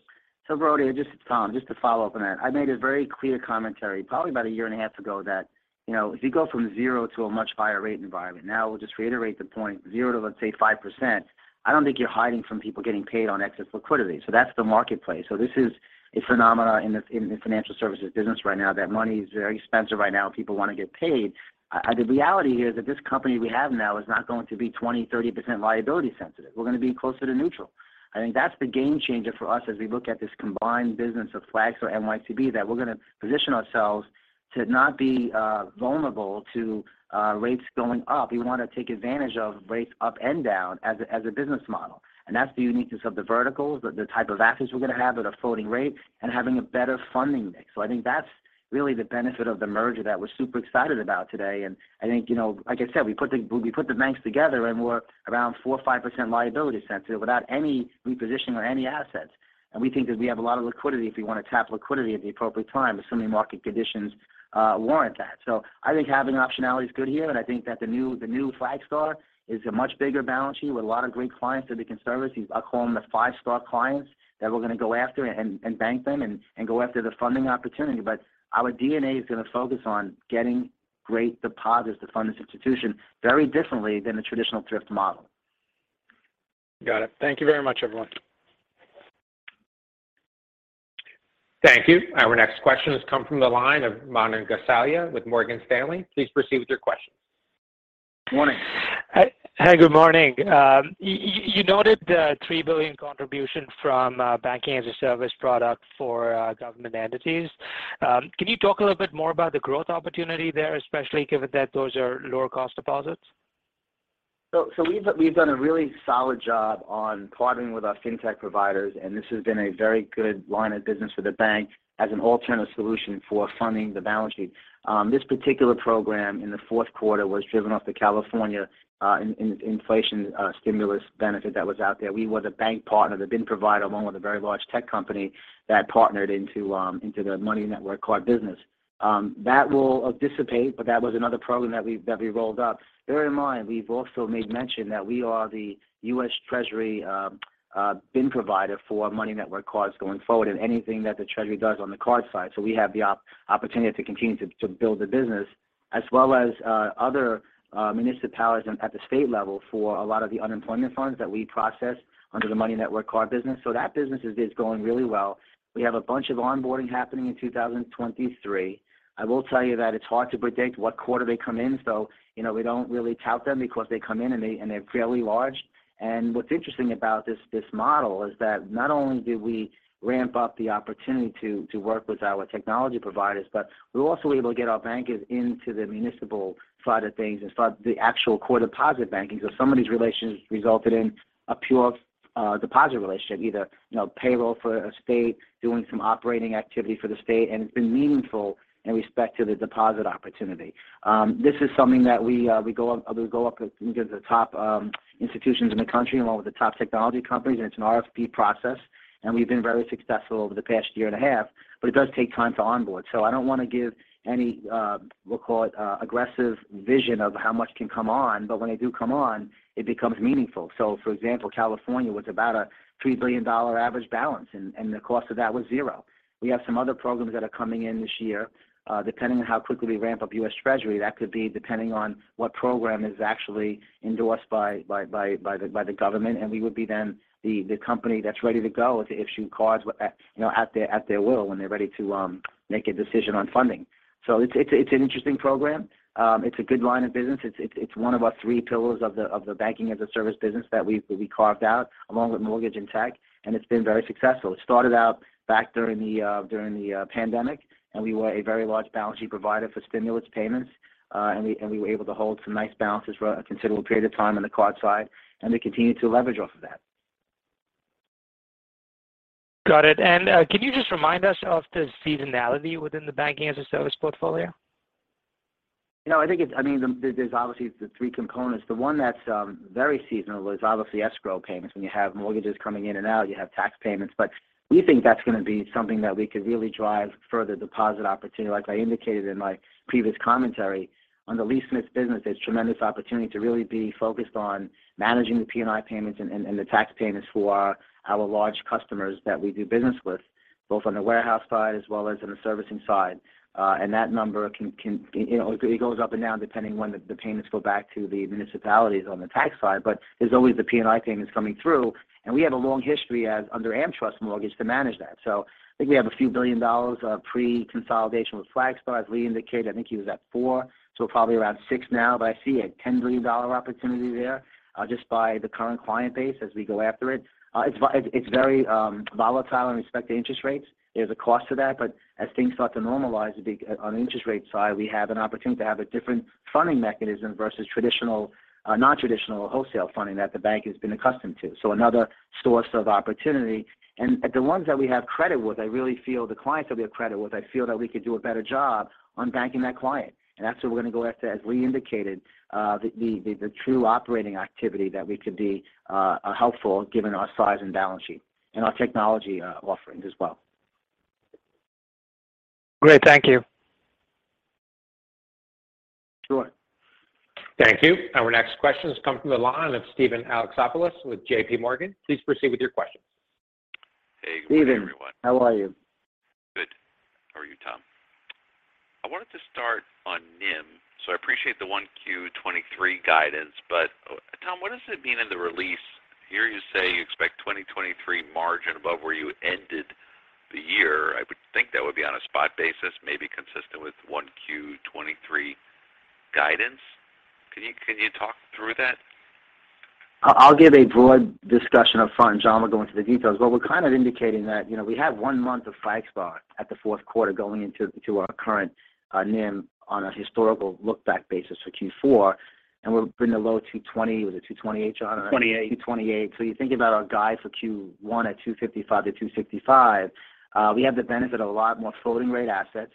Brody, just Tom, just to follow up on that. I made a very clear commentary probably about a year and a half ago that, you know, if you go from 0% to a much higher rate environment, now we'll just reiterate the point, 0% to, let's say, 5%, I don't think you're hiding from people getting paid on excess liquidity. That's the marketplace. This is a phenomenon in the, in the financial services business right now that money is very expensive right now. People want to get paid. The reality here that this company we have now is not going to be 20%-30% liability sensitive. We're gonna be closer to neutral. I think that's the game changer for us as we look at this combined business of Flagstar-NYCB, that we're gonna position ourselves to not be vulnerable to rates going up. We want to take advantage of rates up and down as a business model. That's the uniqueness of the verticals, the type of assets we're going to have at a floating rate and having a better funding mix. I think that's really the benefit of the merger that we're super excited about today. I think, you know, like I said, we put the banks together and we're around 4% or 5% liability sensitive without any repositioning or any assets. We think that we have a lot of liquidity if we want to tap liquidity at the appropriate time, assuming market conditions warrant that. I think having optionality is good here, and I think that the new Flagstar is a much bigger balance sheet with a lot of great clients that we can service. I call them the five-star clients that we're going to go after and bank them and go after the funding opportunity. Our DNA is going to focus on getting great deposits to fund this institution very differently than the traditional thrift model. Got it. Thank you very much, everyone. Thank you. Our next question has come from the line of Manan Gosalia with Morgan Stanley. Please proceed with your question. Morning. Hi. Good morning. You noted the $3 billion contribution from banking as a service product for government entities. Can you talk a little bit more about the growth opportunity there, especially given that those are lower cost deposits? We've done a really solid job on partnering with our fintech providers, and this has been a very good line of business for the bank as an alternative solution for funding the balance sheet. This particular program in the fourth quarter was driven off the California inflation stimulus benefit that was out there. We were the bank partner, the BIN provider, along with a very large tech company that partnered into the Money Network card business. That will dissipate, but that was another program that we rolled out. Bear in mind we've also made mention that we are the U.S. Treasury BIN provider for Money Network cards going forward and anything that the Treasury does on the card side. We have the opportunity to continue to build the business as well as other municipalities and at the state level for a lot of the unemployment funds that we process under the Money Network card business. That business is going really well. We have a bunch of onboarding happening in 2023. I will tell you that it's hard to predict what quarter they come in, so, you know, we don't really tout them because they come in and they're fairly large. What's interesting about this model is that not only did we ramp up the opportunity to work with our technology providers, but we're also able to get our bankers into the municipal side of things and start the actual core deposit banking. Some of these relationships resulted in a pure, deposit relationship, either, you know, payroll for a state, doing some operating activity for the state, and it's been meaningful in respect to the deposit opportunity. This is something that we go up against the top institutions in the country along with the top technology companies, and it's an RFP process, and we've been very successful over the past year and a half, but it does take time to onboard. I don't want to give any, we'll call it, aggressive vision of how much can come on, but when they do come on, it becomes meaningful. For example, California was about a $3 billion average balance and the cost of that was zero. We have some other programs that are coming in this year, depending on how quickly we ramp up U.S. Treasury. That could be depending on what program is actually endorsed by the government. We would be then the company that's ready to go to issue cards, you know, at their will when they're ready to make a decision on funding. It's an interesting program. It's a good line of business. It's one of our three pillars of the banking as a service business that we carved out along with mortgage and tech. It's been very successful. It started out back during the pandemic. We were a very large balance sheet provider for stimulus payments. We were able to hold some nice balances for a considerable period of time on the card side, and we continue to leverage off of that. Got it. Can you just remind us of the seasonality within the banking-as-a-service portfolio? You know, I mean, there's obviously the three components. The one that's very seasonal is obviously escrow payments. When you have mortgages coming in and out, you have tax payments. We think that's going to be something that we could really drive further deposit opportunity. Like I indicated in my previous commentary on the Lee Smith business, there's tremendous opportunity to really be focused on managing the P&I payments and the tax payments for our large customers that we do business with, both on the warehouse side as well as on the servicing side. And that number can, you know, it goes up and down depending when the payments go back to the municipalities on the tax side. There's always the P&I payments coming through, and we have a long history as under AmTrust Mortgage to manage that. I think we have a few billion dollars of pre-consolidation with Flagstar. As Lee indicated, I think he was at four, so probably around six now, but I see a $10 billion opportunity there, just by the current client base as we go after it. It's very volatile in respect to interest rates. There's a cost to that. As things start to normalize, on the interest rate side, we have an opportunity to have a different funding mechanism versus traditional, non-traditional wholesale funding that the bank has been accustomed to. Another source of opportunity. The ones that we have credit with, I really feel the clients that we have credit with, I feel that we could do a better job on banking that client. That's what we're going to go after, as Lee indicated, the true operating activity that we could be helpful given our size and balance sheet and our technology offering as well. Great. Thank you. Sure. Thank you. Our next question has come from the line of Steven Alexopoulos with J.P. Morgan. Please proceed with your questions. Steven, how are you? Good. How are you, Tom? I wanted to start on NIM. I appreciate the 1Q 2023 guidance, Tom, what does it mean in the release? Here you say you expect 2023 margin above where you ended the year. I would think that would be on a spot basis, maybe consistent with 1Q 2023 guidance. Can you talk through that? I'll give a broad discussion up front, John will go into the details. What we're kind of indicating that, you know, we have one month of Flagstar at the fourth quarter going into our current NIM on a historical look back basis for Q4, and we're in the low 220. Was it 228, John? Twenty-eight. $2.28. You think about our guide for Q1 at $2.55-$2.65, we have the benefit of a lot more floating rate assets,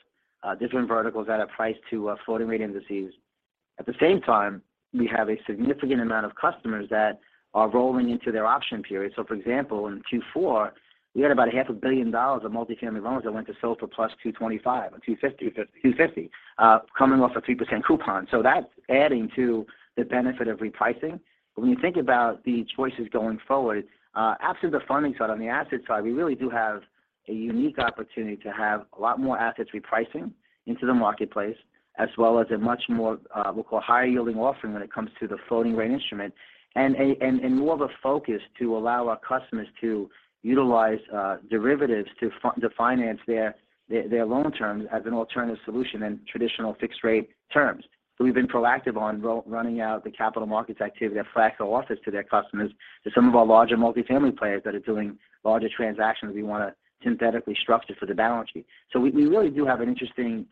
different verticals that are priced to floating rate indices. At the same time, we have a significant amount of customers that are rolling into their option period. For example, in Q4, we had about a $500 million of multifamily loans that went to sold for +225 or 250, coming off a 3% coupon. That's adding to the benefit of repricing. When you think about the choices going forward, absent the funding side, on the asset side, we really do have a unique opportunity to have a lot more assets repricing into the marketplace, as well as a much more, we'll call higher yielding offering when it comes to the floating rate instrument. More of a focus to allow our customers to utilize derivatives to finance their loan terms as an alternative solution in traditional fixed rate terms. We've been proactive on running out the capital markets activity that Flagstar offers to their customers. To some of our larger multifamily players that are doing larger transactions, we wanna synthetically structure for the balance sheet. We really do have an interesting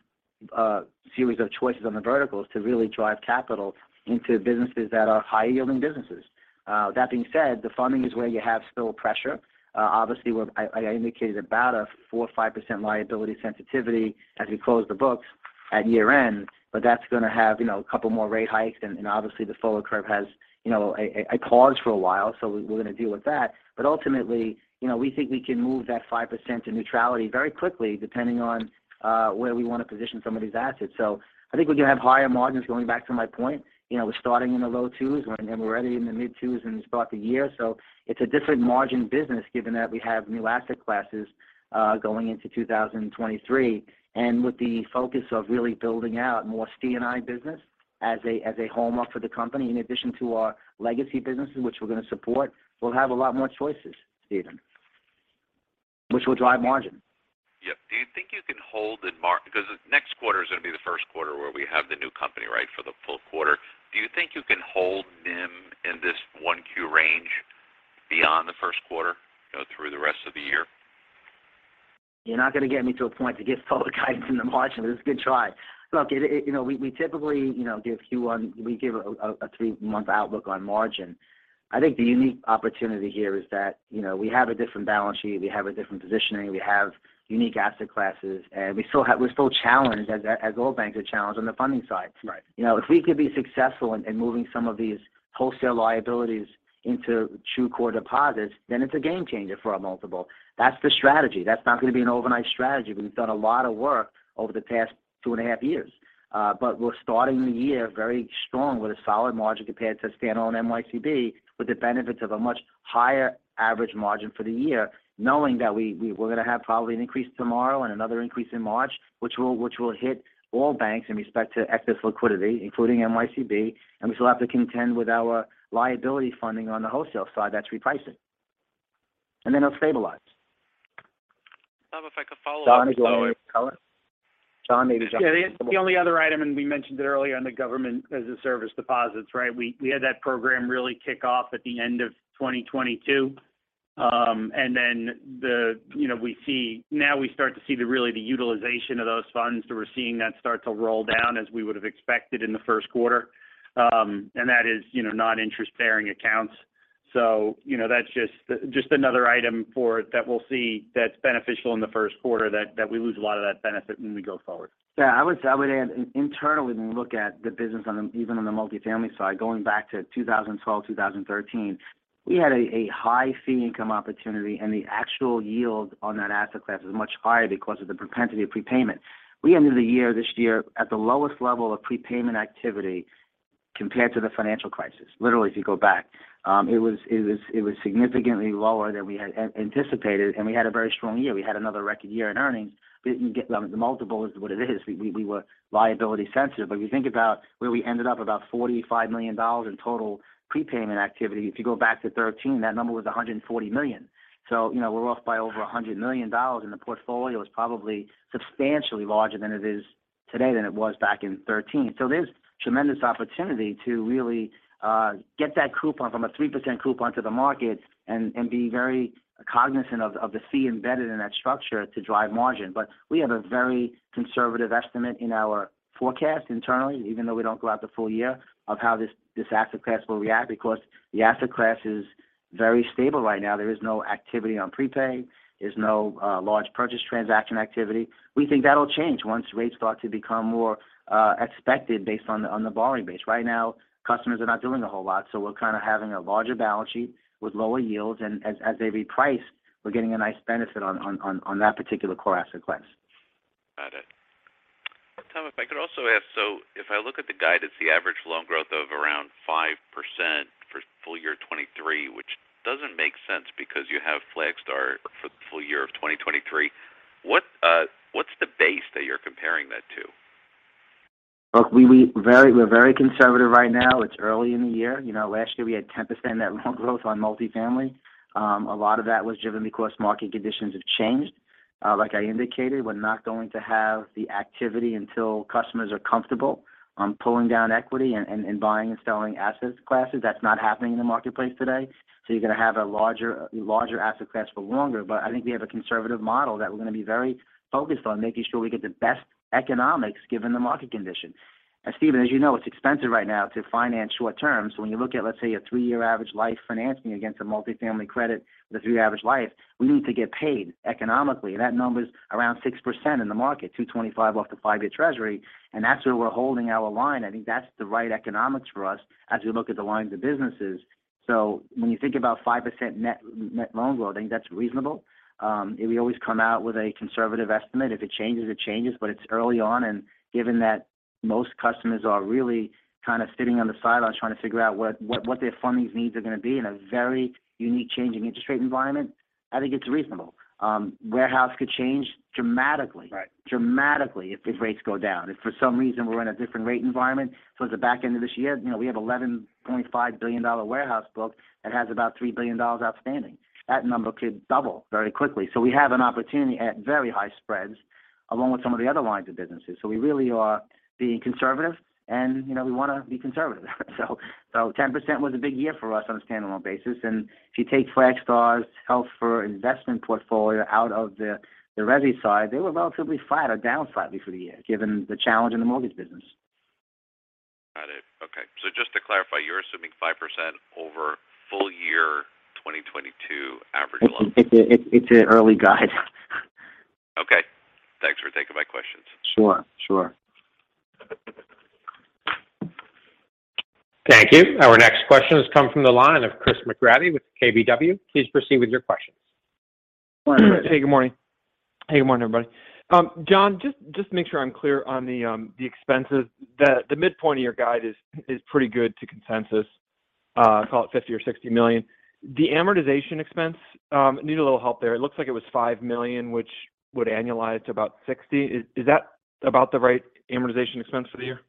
series of choices on the verticals to really drive capital into businesses that are higher yielding businesses. That being said, the funding is where you have still pressure. Obviously, I indicated about a 4%, 5% liability sensitivity as we close the books at year-end, but that's gonna have, you know, a couple more rate hikes and obviously the forward curve has, you know, a pause for a while, so we're gonna deal with that. Ultimately, you know, we think we can move that 5% to neutrality very quickly, depending on where we wanna position some of these assets. I think we're gonna have higher margins going back to my point. You know, we're starting in the low 2s when we're already in the mid 2s in the start of the year. It's a different margin business given that we have new asset classes going into 2023. With the focus of really building out more C&I business as a home run for the company, in addition to our legacy businesses, which we're gonna support, we'll have a lot more choices, Steven, which will drive margin. Yep. Because next quarter is gonna be the first quarter where we have the new company, right, for the full quarter. Do you think you can hold NIM in this 1 Q range beyond the first quarter, you know, through the rest of the year? You're not gonna get me to a point to give color guidance in the margin. It's a good try. Look, it, you know, we typically, you know, give a three-month outlook on margin. I think the unique opportunity here is that, you know, we have a different balance sheet, we have a different positioning, we have unique asset classes, and we're still challenged as all banks are challenged on the funding side. Right. You know, if we could be successful in moving some of these wholesale liabilities into true core deposits, then it's a game changer for our multiple. That's the strategy. That's not gonna be an overnight strategy. We've done a lot of work over the past two and a half years. But we're starting the year very strong with a solid margin compared to standalone NYCB with the benefits of a much higher average margin for the year, knowing that we're gonna have probably an increase tomorrow and another increase in March, which will hit all banks in respect to excess liquidity, including NYCB, and we still have to contend with our liability funding on the wholesale side that's repricing. Then it'll stabilize. Tom, if I could follow up. John, do you want to color? John maybe jump in. Yeah. The only other item, we mentioned it earlier on the government as a service deposits, right? We had that program really kick off at the end of 2022. You know, now we start to see the really the utilization of those funds. We're seeing that start to roll down as we would have expected in the first quarter. That is, you know, non-interest bearing accounts. You know, that's just another item that we'll see that's beneficial in the first quarter that we lose a lot of that benefit when we go forward. Yeah, I would add internally when we look at the business even on the multifamily side, going back to 2012, 2013, we had a high fee income opportunity and the actual yield on that asset class was much higher because of the propensity of prepayment. We ended the year this year at the lowest level of prepayment activity compared to the financial crisis. Literally, if you go back. It was significantly lower than we had anticipated, We had a very strong year. We had another record year in earnings. I mean the multiple is what it is. We were liability sensitive. If you think about where we ended up, about $45 million in total prepayment activity. If you go back to 2013, that number was $140 million. You know, we're off by over $100 million, and the portfolio is probably substantially larger than it is today than it was back in 2013. There's tremendous opportunity to really get that coupon from a 3% coupon to the market and be very cognizant of the fee embedded in that structure to drive margin. We have a very conservative estimate in our forecast internally, even though we don't go out the full year, of how this asset class will react because the asset class is very stable right now. There is no activity on prepay. There's no large purchase transaction activity. We think that'll change once rates start to become more expected based on the borrowing base. Right now, customers are not doing a whole lot, so we're kind of having a larger balance sheet with lower yields. As they reprice, we're getting a nice benefit on that particular core asset class. Got it. Tom, if I could also ask, if I look at the guidance, the average loan growth of around 5% for full year 2023, which doesn't make sense because you have Flagstar for the full year of 2023. What's the base that you're comparing that to? Look, we're very conservative right now. It's early in the year. You know, last year we had 10% net loan growth on multifamily. A lot of that was driven because market conditions have changed. Like I indicated, we're not going to have the activity until customers are comfortable on pulling down equity and buying and selling assets classes. That's not happening in the marketplace today. You're going to have a larger asset class for longer. I think we have a conservative model that we're going to be very focused on making sure we get the best economics given the market condition. Steven, as you know, it's expensive right now to finance short term. When you look at, let's say, a three-year average life financing against a multi-family credit with a three-year average life, we need to get paid economically. That number is around 6% in the market, 225 off the five-year Treasury. I think that's the right economics for us as we look at the lines of businesses. When you think about 5% net loan growth, I think that's reasonable. We always come out with a conservative estimate. If it changes, it changes, it's early on, and given that most customers are really kind of sitting on the sidelines trying to figure out what their funding needs are going to be in a very unique changing interest rate environment, I think it's reasonable. Warehouse could change. Right dramatically if rates go down. If for some reason we're in a different rate environment towards the back end of this year, you know, we have $11.5 billion warehouse book that has about $3 billion outstanding. That number could double very quickly. We have an opportunity at very high spreads along with some of the other lines of businesses. We really are being conservative and, you know, we wanna be conservative. 10% was a big year for us on a standalone basis. If you take Flagstar's held for investment portfolio out of the resi side, they were relatively flat or down slightly for the year, given the challenge in the mortgage business. Got it. Okay. Just to clarify, you're assuming 5% over full year 2022 average loan? It's an early guide. Okay. Thanks for taking my questions. Sure. Sure. Thank you. Our next question has come from the line of Chris McGratty with KBW. Please proceed with your questions. Hey, good morning. Hey, good morning, everybody. John, just to make sure I'm clear on the expenses. The midpoint of your guide is pretty good to consensus, call it $50 million or $60 million. The amortization expense, need a little help there. It looks like it was $5 million, which would annualize about $60 million. Is that about the right amortization expense for the year?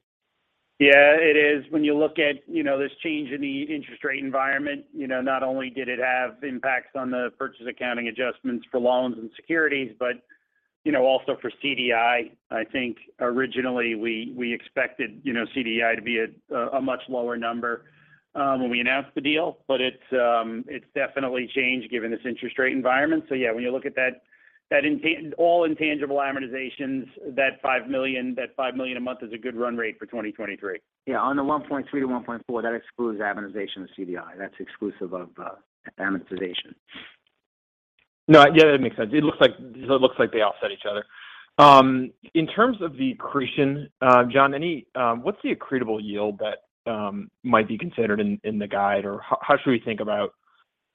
Yeah, it is. When you look at, you know, this change in the interest rate environment, you know, not only did it have impacts on the purchase accounting adjustments for loans and securities, but, you know, also for CDI. I think originally we expected, you know, CDI to be a much lower number when we announced the deal, but it's definitely changed given this interest rate environment. Yeah, when you look at all intangible amortizations, that $5 million a month is a good run rate for 2023. On the 1.3-1.4, that excludes amortization of CDI. That's exclusive of amortization. No, yeah, that makes sense. It looks like they offset each other. In terms of the accretion, John, what's the accretable yield that might be considered in the guide? How should we think about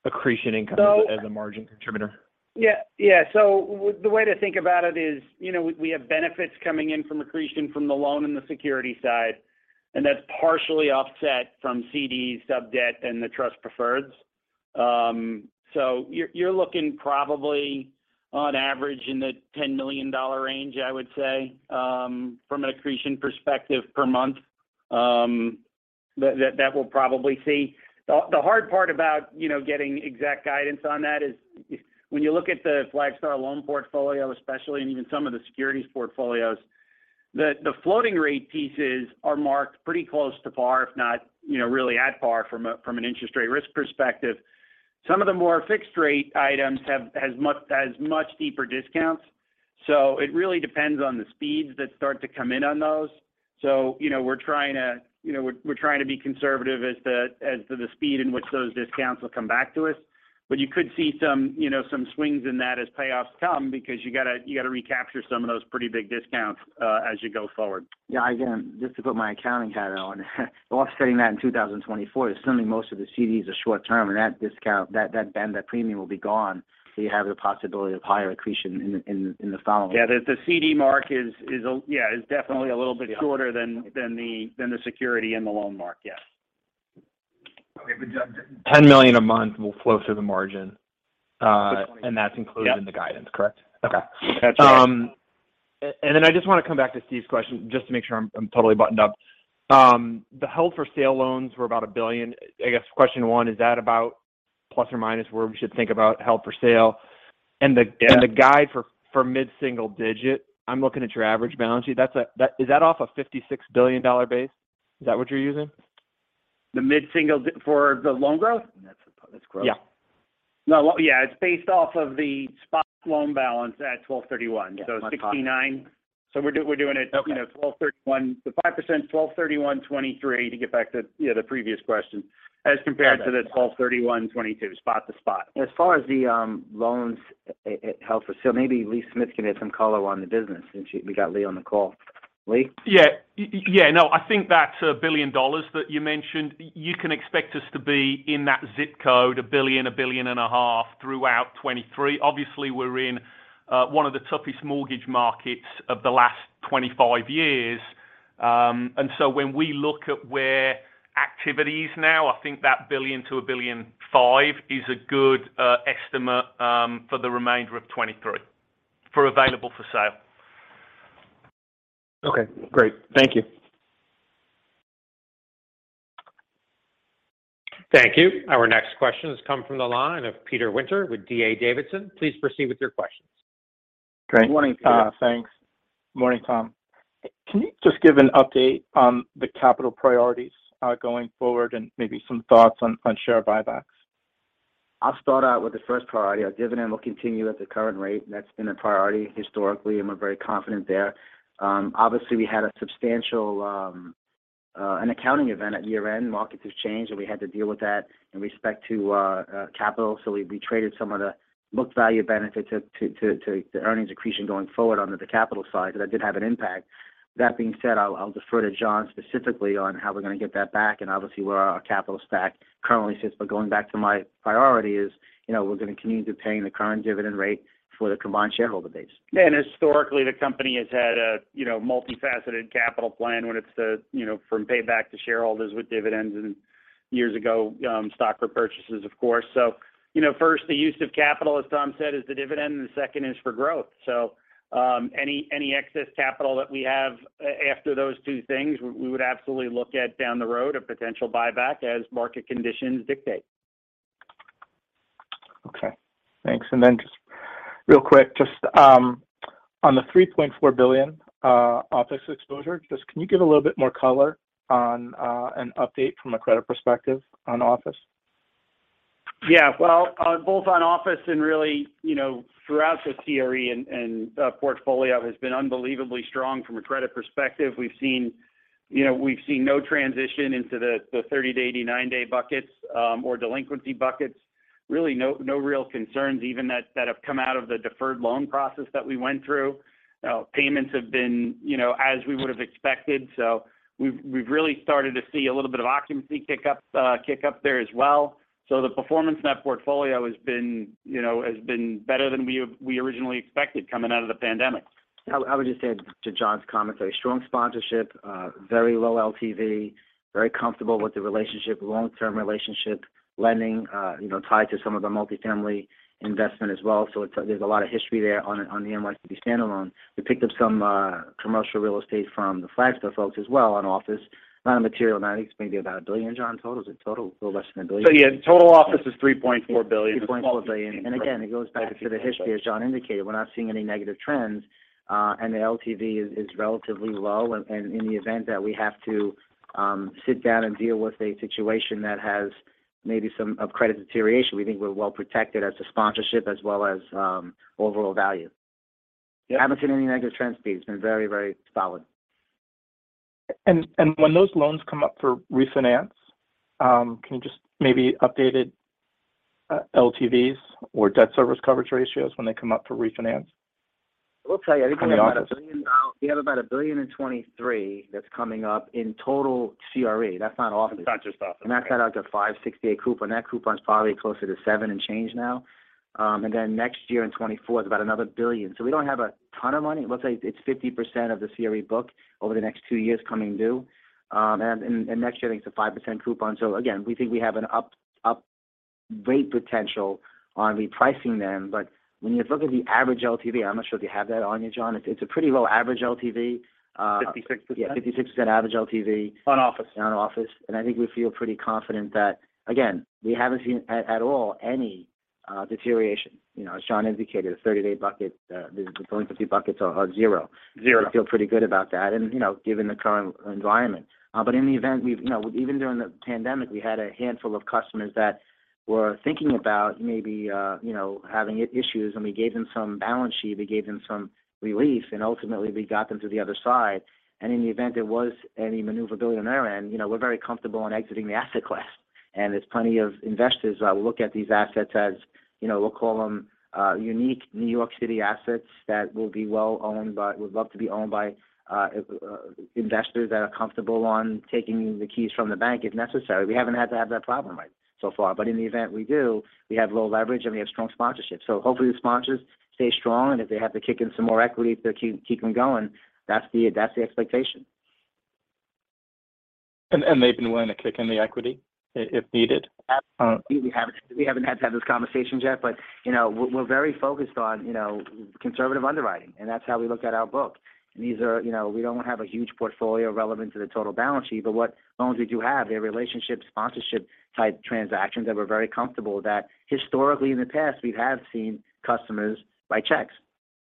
accretion income- So- as a margin contributor? Yeah. Yeah. The way to think about it is, you know, we have benefits coming in from accretion from the loan and the security side, and that's partially offset from CD sub debt and the trust preferreds. You're, you're looking probably on average in the $10 million range, I would say, from an accretion perspective per month, that we'll probably see. The hard part about, you know, getting exact guidance on that is when you look at the Flagstar loan portfolio especially, and even some of the securities portfolios, the floating rate pieces are marked pretty close to par, if not, you know, really at par from an interest rate risk perspective. Some of the more fixed rate items have as much deeper discounts. It really depends on the speeds that start to come in on those. You know, we're trying to, you know, we're trying to be conservative as to the speed in which those discounts will come back to us. You could see some, you know, some swings in that as payoffs come because you gotta, you gotta recapture some of those pretty big discounts as you go forward. Yeah. Again, just to put my accounting hat on. Offsetting that in 2024 is assuming most of the CDs are short term, and that discount, that band, that premium will be gone. You have the possibility of higher accretion in the following. Yeah. The CD mark is definitely a little bit shorter than the security and the loan mark. Yes. Okay. John, $10 million a month will flow through the margin. Six point- That's included- Yeah in the guidance, correct? Okay. That's right. I just wanna come back to Steve's question just to make sure I'm totally buttoned up. The held for sale loans were about $1 billion. I guess question one, is that about plus or minus where we should think about held for sale? Yeah. The guide for mid-single digit, I'm looking at your average balance sheet. Is that off a $56 billion base? Is that what you're using? The mid-single for the loan growth? That's, that's growth. Yeah. No. Yeah. It's based off of the spot loan balance at 12/31. Yeah. 6.9. 69. We're doing it. Okay you know, 12/31. The 5% 12/31/2023, to get back to, you know, the previous question, as compared to the 12/31/2022. Spot to spot. As far as the loans held for sale, maybe Lee Smith can add some color on the business since we got Lee on the call. Lee? Yeah. Yeah. No, I think that's $1 billion that you mentioned. You can expect us to be in that zip code, $1 billion-$1.5 billion throughout 2023. Obviously, we're in one of the toughest mortgage markets of the last 25 years. When we look at where activity is now, I think that $1 billion-$1.5 billion is a good estimate for the remainder of 2023 for available for sale. Okay, great. Thank you. Thank you. Our next question has come from the line of Peter Winter with D.A. Davidson. Please proceed with your questions. Great. Morning, Peter. Thanks. Morning, Tom. Can you just give an update on the capital priorities, going forward and maybe some thoughts on share buybacks? I'll start out with the first priority. Our dividend will continue at the current rate. That's been a priority historically. We're very confident there. Obviously, we had a substantial an accounting event at year-end. Markets have changed. We had to deal with that in respect to capital. We traded some of the book value benefit to earnings accretion going forward under the capital side. That did have an impact. That being said, I'll defer to John specifically on how we're gonna get that back. Obviously, where our capital stack currently sits. Going back to my priority is, you know, we're gonna continue to paying the current dividend rate for the combined shareholder base. Historically, the company has had a, you know, multifaceted capital plan, whether it's the, you know, from payback to shareholders with dividends and years ago, stock repurchases, of course. First, the use of capital, as Tom said, is the dividend, and the second is for growth. Any excess capital that we have after those two things, we would absolutely look at down the road a potential buyback as market conditions dictate. Okay. Thanks. Just real quick, just on the $3.4 billion office exposure, just can you give a little bit more color on an update from a credit perspective on office? Well, both on office and really, you know, throughout the CRE and portfolio has been unbelievably strong from a credit perspective. We've seen, you know, we've seen no transition into the 30-day, 89-day buckets or delinquency buckets. Really no real concerns even that have come out of the deferred loan process that we went through. Payments have been, you know, as we would've expected. We've really started to see a little bit of occupancy kick up there as well. The performance in that portfolio has been, you know, has been better than we originally expected coming out of the pandemic. I would just add to John's comments, a strong sponsorship, very low LTV, very comfortable with the relationship, long-term relationship lending, you know, tied to some of the multi-family investment as well. There's a lot of history there on the NYCB standalone. We picked up some commercial real estate from the Flagstar folks as well on office. Not a material amount. I think it's maybe about $1 billion, John, total. Is it total? Little less than $1 billion. Yeah, total office is $3.4 billion. $3.4 billion. Again, it goes back to the history, as John indicated. We're not seeing any negative trends, and the LTV is relatively low. In the event that we have to sit down and deal with a situation that has maybe some of credit deterioration, we think we're well protected as a sponsorship as well as overall value. Yeah. Haven't seen any negative trends, Pete. It's been very, very solid. When those loans come up for refinance, can you just maybe updated LTVs or debt service coverage ratios when they come up for refinance? We'll tell you, I think we have about $1 billion. On the office. We have about $1,000,000,023 that's coming up in total CRE. That's not office. That's just office. That's cut out to 5.68% coupon. That coupon is probably closer to seven and change now. Next year in 2024 is about another $1 billion. We don't have a ton of money. Let's say it's 50% of the CRE book over the next two years coming due. Next year, I think it's a 5% coupon. Again, we think we have an up rate potential on repricing them. When you look at the average LTV, I'm not sure if you have that on you, John. It's a pretty low average LTV. 56%. Yeah, 66% average LTV. On office. On office. I think we feel pretty confident that, again, we haven't seen at all any deterioration. You know, as John indicated, the 30-day bucket, the delinquency buckets are 0. Zero. We feel pretty good about that and, you know, given the current environment. In the event, you know, even during the pandemic, we had a handful of customers that were thinking about maybe, you know, having issues, and we gave them some balance sheet. We gave them some relief, and ultimately, we got them to the other side. In the event there was any maneuverability on their end, you know, we're very comfortable in exiting the asset class. There's plenty of investors that look at these assets as, you know, we'll call them unique New York City assets that will be well-owned by, would love to be owned by investors that are comfortable on taking the keys from the bank if necessary. We haven't had to have that problem right so far. In the event we do, we have low leverage and we have strong sponsorship. Hopefully, the sponsors stay strong, and if they have to kick in some more equity to keep them going, that's the expectation. They've been willing to kick in the equity if needed? we haven't had to have those conversations yet. You know, we're very focused on, you know, conservative underwriting, and that's how we look at our book. These are, you know, we don't have a huge portfolio relevant to the total balance sheet, but what loans we do have, they're relationship, sponsorship type transactions that we're very comfortable that historically in the past we have seen customers write checks.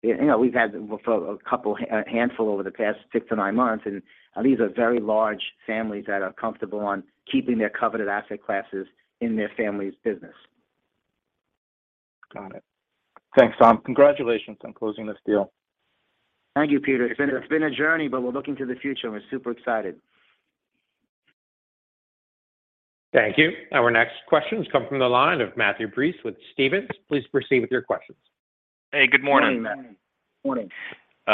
You know, we've had for a couple, a handful over the past six to nine months, and these are very large families that are comfortable on keeping their coveted asset classes in their family's business. Got it. Thanks, Tom. Congratulations on closing this deal. Thank you, Peter. It's been a journey, but we're looking to the future. We're super excited. Thank you. Our next question has come from the line of Matthew Breese with Stephens. Please proceed with your questions. Hey, good morning. Good morning, Matt.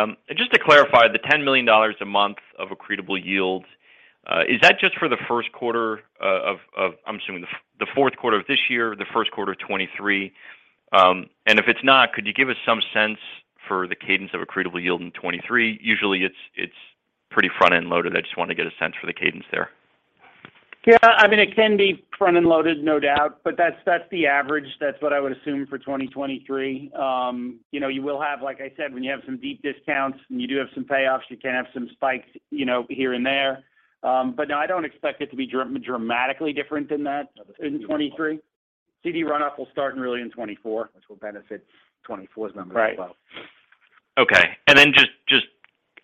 Morning. Just to clarify, the $10 million a month of accretable yields, is that just for the first quarter, I'm assuming the fourth quarter of this year or the first quarter of 2023? If it's not, could you give us some sense for the cadence of accretable yield in 2023? Usually, it's pretty front-end loaded. I just wanted to get a sense for the cadence there. Yeah, I mean, it can be front-end loaded, no doubt, but that's the average. That's what I would assume for 2023. You know, you will have, like I said, when you have some deep discounts and you do have some payoffs, you can have some spikes, you know, here and there. No, I don't expect it to be dramatically different than that in 2023. CD runoff will start in early in 2024, which will benefit 2024's numbers as well. Right. Okay. Just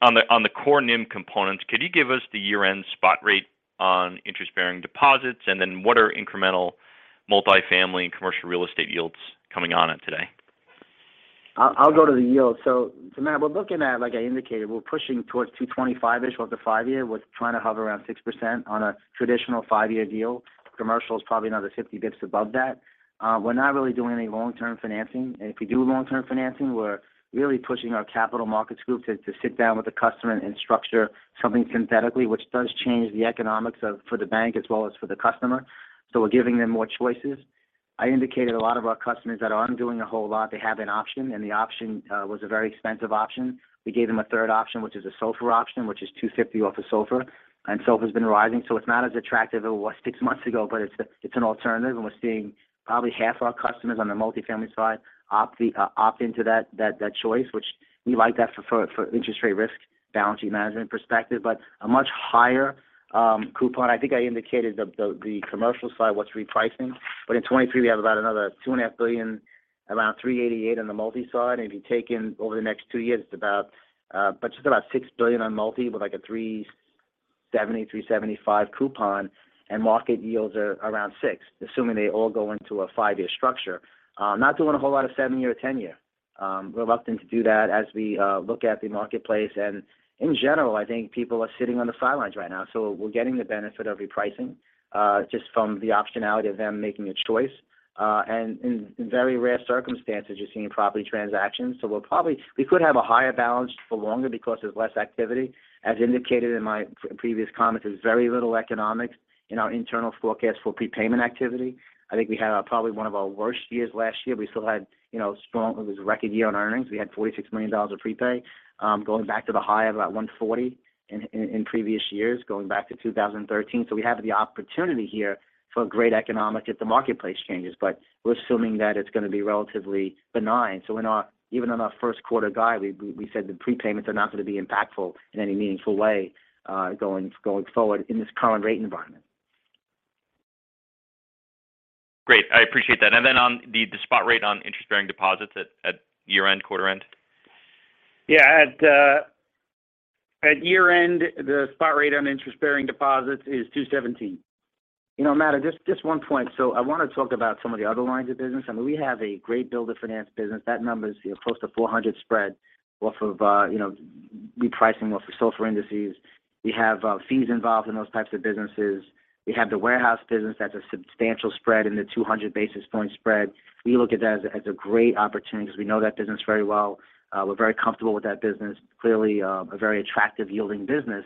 on the core NIM components, could you give us the year-end spot rate on interest-bearing deposits? What are incremental multifamily and commercial real estate yields coming on it today? I'll go to the yield. Matt, we're looking at, like I indicated, we're pushing towards 225-ish off the five-year. We're trying to hover around 6% on a traditional five-year deal. Commercial is probably another 50 basis points above that. We're not really doing any long-term financing. If we do long-term financing, we're really pushing our capital markets group to sit down with the customer and structure something synthetically, which does change the economics for the bank as well as for the customer. We're giving them more choices. I indicated a lot of our customers that aren't doing a whole lot, they have an option, and the option was a very expensive option. We gave them a third option, which is a SOFR option, which is 250 off of SOFR. SOFR has been rising, so it's not as attractive as it was six months ago, but it's an alternative. We're seeing probably half our customers on the multifamily side opt into that choice, which we like that for interest rate risk balance sheet management perspective. A much higher coupon. I think I indicated the commercial side, what's repricing. In 2023 we have about another $2.5 billion, around 3.88% on the multi side. If you take in over the next two years, it's about, but just about $6 billion on multi with like a 3.70%, 3.75% coupon and market yields are around 6%, assuming they all go into a five-year structure. Not doing a whole lot of seven-year or 10-year. Reluctant to do that as we look at the marketplace. In general, I think people are sitting on the sidelines right now, so we're getting the benefit of repricing just from the optionality of them making a choice. In very rare circumstances, you're seeing property transactions. We could have a higher balance for longer because there's less activity. As indicated in my previous comments, there's very little economics in our internal forecast for prepayment activity. I think we had probably one of our worst years last year. We still had, you know, it was a record year on earnings. We had $46 million of prepay going back to the high of about $140 in previous years, going back to 2013. We have the opportunity here for great economics if the marketplace changes, but we're assuming that it's going to be relatively benign. We're not even on our first quarter guide, we said the prepayments are not going to be impactful in any meaningful way, going forward in this current rate environment. Great. I appreciate that. Then on the spot rate on interest-bearing deposits at year-end, quarter-end? At year-end, the spot rate on interest-bearing deposits is 2.17%. You know, Matt, just one point. I want to talk about some of the other lines of business. I mean, we have a great builder finance business. That number is, you know, close to 400 spread off of, you know, repricing off of SOFR indices. We have fees involved in those types of businesses. We have the warehouse business that's a substantial spread in the 200 basis point spread. We look at that as a, as a great opportunity because we know that business very well. We're very comfortable with that business. Clearly, a very attractive yielding business.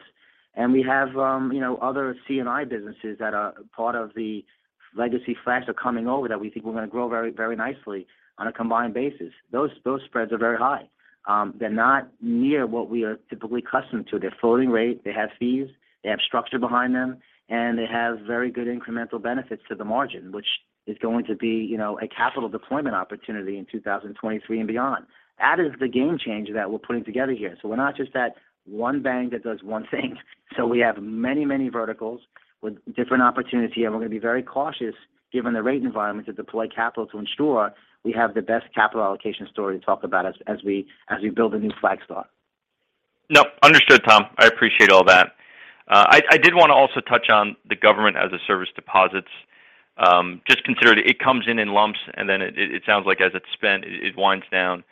We have, you know, other C&I businesses that are part of the legacy Flagstar coming over that we think we're going to grow very, very nicely on a combined basis. Those spreads are very high. They're not near what we are typically accustomed to. They're floating rate. They have fees. They have structure behind them, and they have very good incremental benefits to the margin, which is going to be, you know, a capital deployment opportunity in 2023 and beyond. That is the game changer that we're putting together here. We're not just that one bank that does one thing. We have many verticals with different opportunity, and we're going to be very cautious given the rate environment to deploy capital to ensure we have the best capital allocation story to talk about as we build a new Flagstar. No, understood, Tom. I appreciate all that. I did want to also touch on the government as a service deposits. Just considered it comes in in lumps, and then it sounds like as it's spent, it winds down.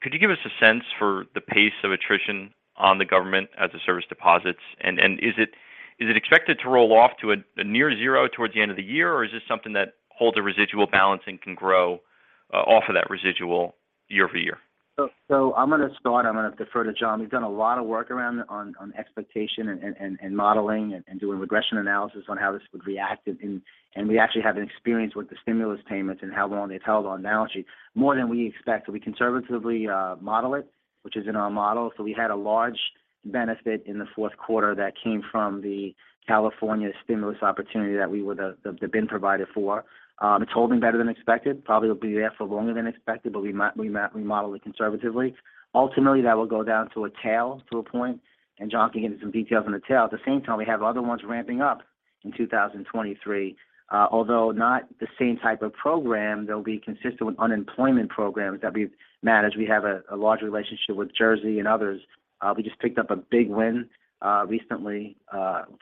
Could you give us a sense for the pace of attrition on the government as a service deposits? Is it expected to roll off to a near 0 towards the end of the year, or is this something that holds a residual balance and can grow off of that residual year-over-year? I'm going to start. I'm going to defer to John. We've done a lot of work around on expectation and modeling and doing regression analysis on how this would react. We actually have an experience with the stimulus payments and how long they've held on balance sheet more than we expect. We conservatively model it, which is in our model. We had a large benefit in the fourth quarter that came from the California stimulus opportunity that we were the BIN provider for. It's holding better than expected. Probably will be there for longer than expected, but we model it conservatively. Ultimately, that will go down to a tail to a point, and John can get into some details on the tail. At the same time, we have other ones ramping up in 2023. Although not the same type of program, they'll be consistent with unemployment programs that we've managed. We have a large relationship with Jersey and others. We just picked up a big win recently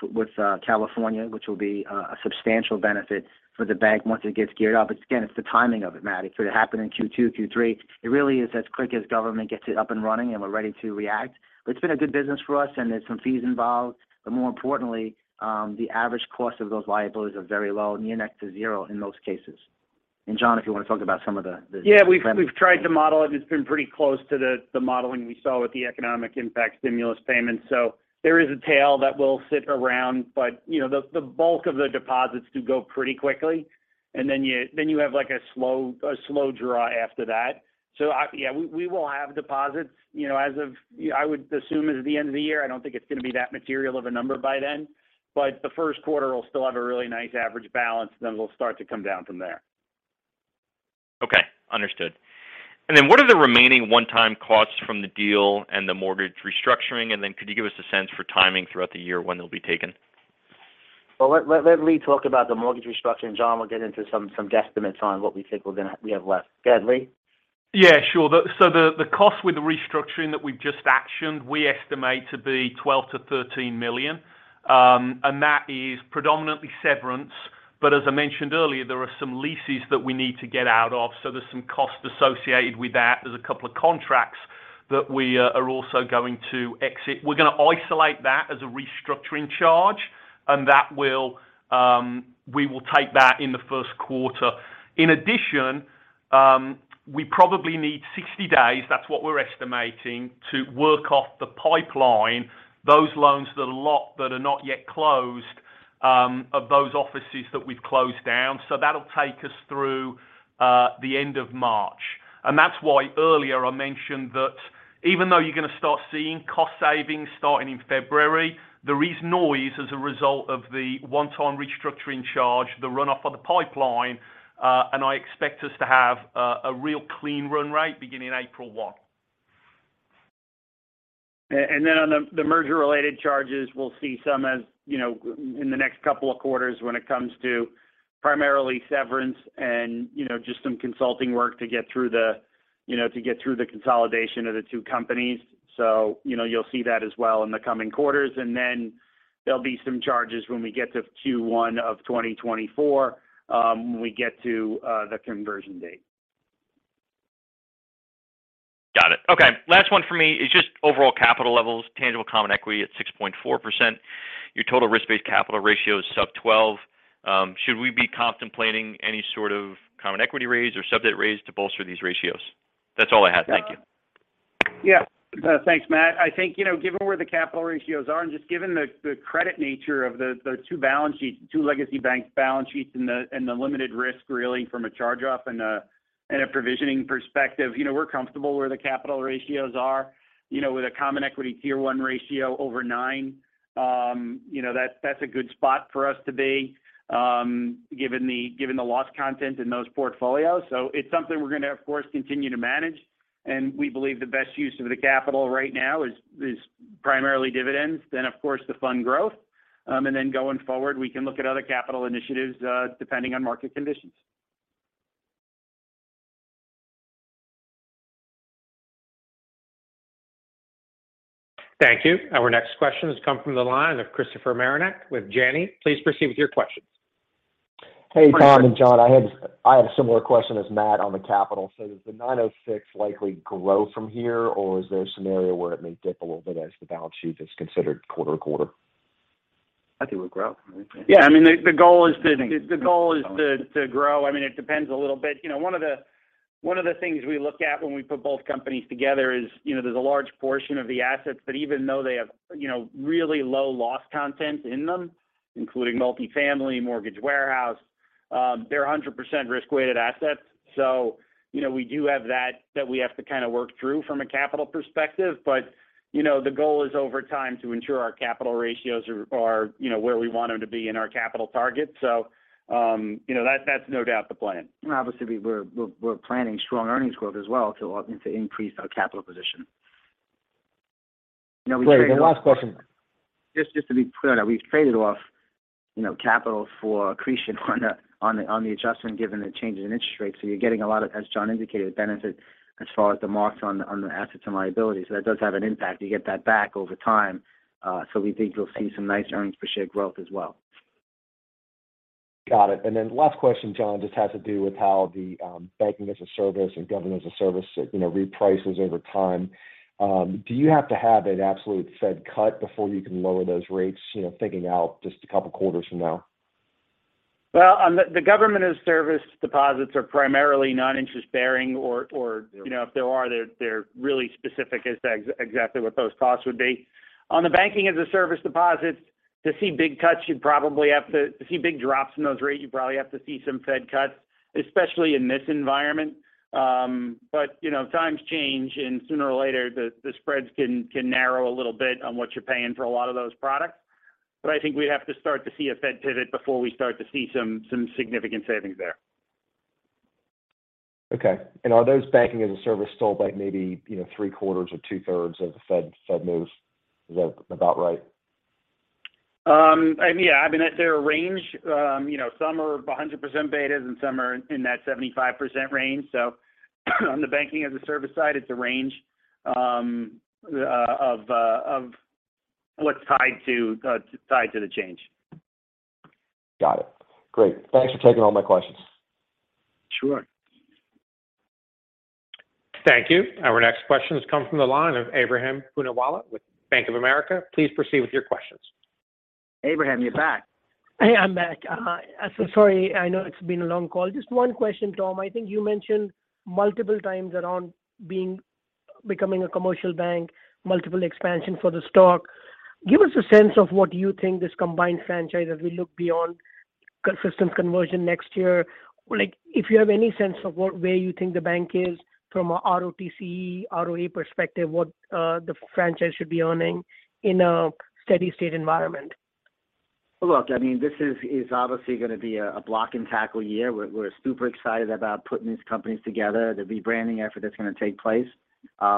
with California, which will be a substantial benefit for the bank once it gets geared up. Again, it's the timing of it, Matt. If it happened in Q2, Q3, it really is as quick as government gets it up and running, and we're ready to react. It's been a good business for us, and there's some fees involved. More importantly, the average cost of those liabilities are very low, near next to zero in those cases. John, if you want to talk about some of the. Yeah, we've tried to model it. It's been pretty close to the modeling we saw with the economic impact stimulus payments. There is a tail that will sit around but, you know, the bulk of the deposits do go pretty quickly. Then you have like a slow draw after that. Yeah, we will have deposits, you know, as of I would assume as the end of the year. I don't think it's going to be that material of a number by then. The first quarter will still have a really nice average balance, then we'll start to come down from there. Understood. What are the remaining one-time costs from the deal and the mortgage restructuring? Could you give us a sense for timing throughout the year when they'll be taken? Well, let Lee talk about the mortgage restructuring. John will get into some guesstimates on what we think we have left. Go ahead, Lee. Yeah, sure. The cost with the restructuring that we've just actioned, we estimate to be $12 million-$13 million. That is predominantly severance. As I mentioned earlier, there are some leases that we need to get out of, so there's some costs associated with that. There's a couple of contracts that we are also going to exit. We're going to isolate that as a restructuring charge. We will take that in the first quarter. In addition, we probably need 60 days, that's what we're estimating, to work off the pipeline. Those loans that are not yet closed, of those offices that we've closed down. That'll take us through the end of March. That's why earlier I mentioned that even though you're gonna start seeing cost savings starting in February, there is noise as a result of the one-time restructuring charge, the run-off of the pipeline, and I expect us to have a real clean run rate beginning April 1. On the merger-related charges, we'll see some as, you know, in the next couple of quarters when it comes to primarily severance and, you know, just some consulting work to get through the, you know, to get through the consolidation of the two companies. You know, you'll see that as well in the coming quarters. There'll be some charges when we get to Q1 of 2024, when we get to the conversion date. Got it. Okay. Last one for me is just overall capital levels. Tangible Common Equity at 6.4%. Your total risk-based capital ratio is sub 12. Should we be contemplating any sort of common equity raise or subject raise to bolster these ratios? That's all I had. Thank you. Yeah. Thanks, Matt. I think, you know, given where the capital ratios are and just given the credit nature of the two balance sheets, two legacy banks' balance sheets and the limited risk really from a charge-off and a provisioning perspective. You know, we're comfortable where the capital ratios are. You know with a Common Equity Tier 1 ratio over 9, you know, that's a good spot for us to be, given the loss content in those portfolios. It's something we're gonna, of course, continue to manage, and we believe the best use of the capital right now is primarily dividends, then of course the fund growth. Going forward, we can look at other capital initiatives, depending on market conditions. Thank you. Our next question has come from the line of Christopher Marinac with Janney. Please proceed with your questions. Hey, Tom and John. I have a similar question as Matt on the capital. Does the 906 likely grow from here, or is there a scenario where it may dip a little bit as the balance sheet is considered quarter-to-quarter? I think we'll grow. Yeah. I mean, the goal is to grow. I mean, it depends a little bit. You know, one of the things we look at when we put both companies together is, you know, there's a large portion of the assets that even though they have, you know, really low loss content in them, including multifamily, mortgage warehouse, they're 100% risk-weighted assets. You know, we do have that we have to kinda work through from a capital perspective. You know, the goal is over time to ensure our capital ratios are, you know, where we want them to be in our capital target. You know, that's no doubt the plan. obviously we're planning strong earnings growth as well to increase our capital position. You know Great. Last question. Just to be clear that we've traded off, you know, capital for accretion on the adjustment given the changes in interest rates. You're getting a lot of, as John indicated, benefit as far as the marks on the assets and liabilities. That does have an impact. You get that back over time. We think you'll see some nice earnings per share growth as well. Got it. Then last question, John, just has to do with how the banking as a service and government as a service, you know, reprices over time. Do you have to have an absolute Fed cut before you can lower those rates, you know, thinking out just a couple quarters from now? Well, on the government as service deposits are primarily non-interest bearing or, you know, if there are, they're really specific as to exactly what those costs would be. On the banking as a service deposits, to see big cuts, to see big drops in those rates, you probably have to see some Fed cuts, especially in this environment. You know, times change, and sooner or later, the spreads can narrow a little bit on what you're paying for a lot of those products. I think we have to start to see a Fed pivot before we start to see some significant savings there. Okay. Are those banking as a service still like maybe, you know, three-quarters or two-thirds of the Fed moves? Is that about right? I mean, yeah. I mean, they're a range. You know, some are 100% betas and some are in that 75% range. On the banking as a service side, it's a range, of what's tied to, tied to the change. Got it. Great. Thanks for taking all my questions. Sure. Thank you. Our next question has come from the line of Ebrahim Poonawala with Bank of America. Please proceed with your questions. Ebrahim, you're back. Hey, I'm back. Sorry, I know it's been a long call. Just one question, Tom. I think you mentioned multiple times around becoming a commercial bank, multiple expansion for the stock. Give us a sense of what you think this combined franchise, as we look beyond consistent conversion next year. Like, if you have any sense of where you think the bank is from a ROTCE, ROE perspective, what the franchise should be earning in a steady state environment? Look, I mean, this is obviously going to be a block-and-tackle year. We're super excited about putting these companies together, the rebranding effort that's going to take place.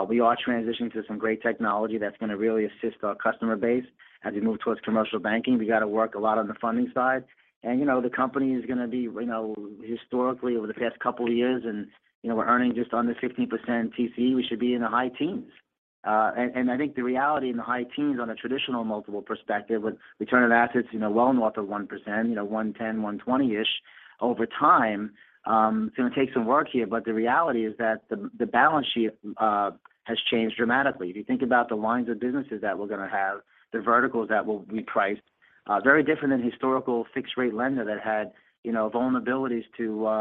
We are transitioning to some great technology that's going to really assist our customer base. As we move towards commercial banking, we got to work a lot on the funding side. You know, the company is going to be, you know, historically, over the past couple of years, and, you know, we're earning just under 15% TCE, we should be in the high teens. and I think the reality in the high teens on a traditional multiple perspective with return on assets, you know, well north of 1%, you know, 110, 120-ish over time, it's gonna take some work here. The reality is that the balance sheet has changed dramatically. If you think about the lines of businesses that we're gonna have, the verticals that will be priced, very different than historical fixed rate lender that had, you know, vulnerabilities to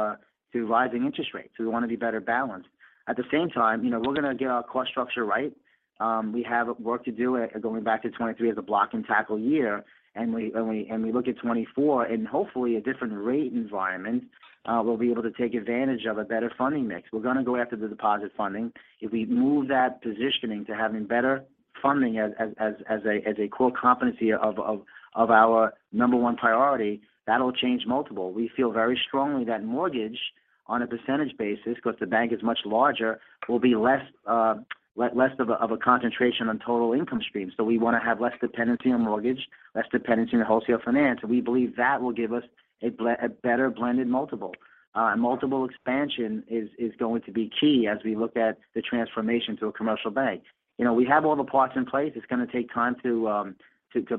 rising interest rates. We want to be better balanced. At the same time, you know, we're gonna get our cost structure right. We have work to do going back to 2023 as a block-and-tackle year. We look at 2024, and hopefully a different rate environment, we'll be able to take advantage of a better funding mix. We're gonna go after the deposit funding. If we move that positioning to having better funding as a core competency of our number 1 priority, that'll change multiple. We feel very strongly that mortgage on a percentage basis, because the bank is much larger, will be less, less of a concentration on total income stream. We want to have less dependency on mortgage, less dependency on wholesale finance. We believe that will give us a better blended multiple. A multiple expansion is going to be key as we look at the transformation to a commercial bank. You know, we have all the parts in place. It's going to take time to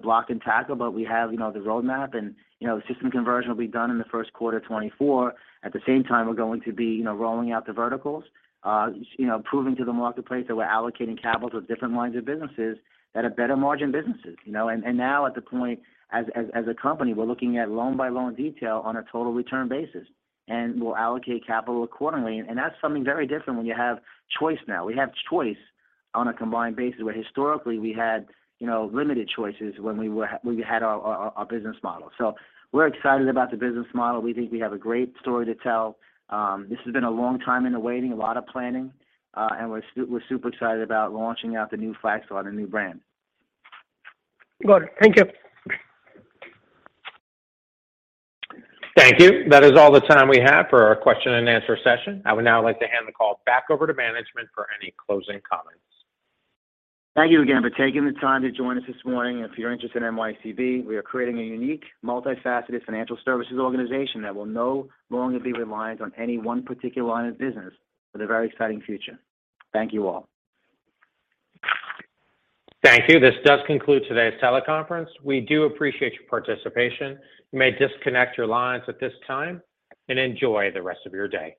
block and tackle. We have, you know, the roadmap and, you know, system conversion will be done in the first quarter of 2024. At the same time, we're going to be, you know, rolling out the verticals, you know, proving to the marketplace that we're allocating capital to different lines of businesses that are better margin businesses, you know. Now at the point as a company, we're looking at loan-by-loan detail on a total return basis, and we'll allocate capital accordingly. That's something very different when you have choice now. We have choice on a combined basis, where historically we had, you know, limited choices when we had our business model. We're excited about the business model. We think we have a great story to tell. This has been a long time in the waiting, a lot of planning, and we're super excited about launching out the new Flagstar, the new brand. Good. Thank you. Thank you. That is all the time we have for our question-and-answer session. I would now like to hand the call back over to management for any closing comments. Thank you again for taking the time to join us this morning. If you're interested in NYCB, we are creating a unique, multifaceted financial services organization that will no longer be reliant on any one particular line of business with a very exciting future. Thank you all. Thank you. This does conclude today's teleconference. We do appreciate your participation. You may disconnect your lines at this time and enjoy the rest of your day.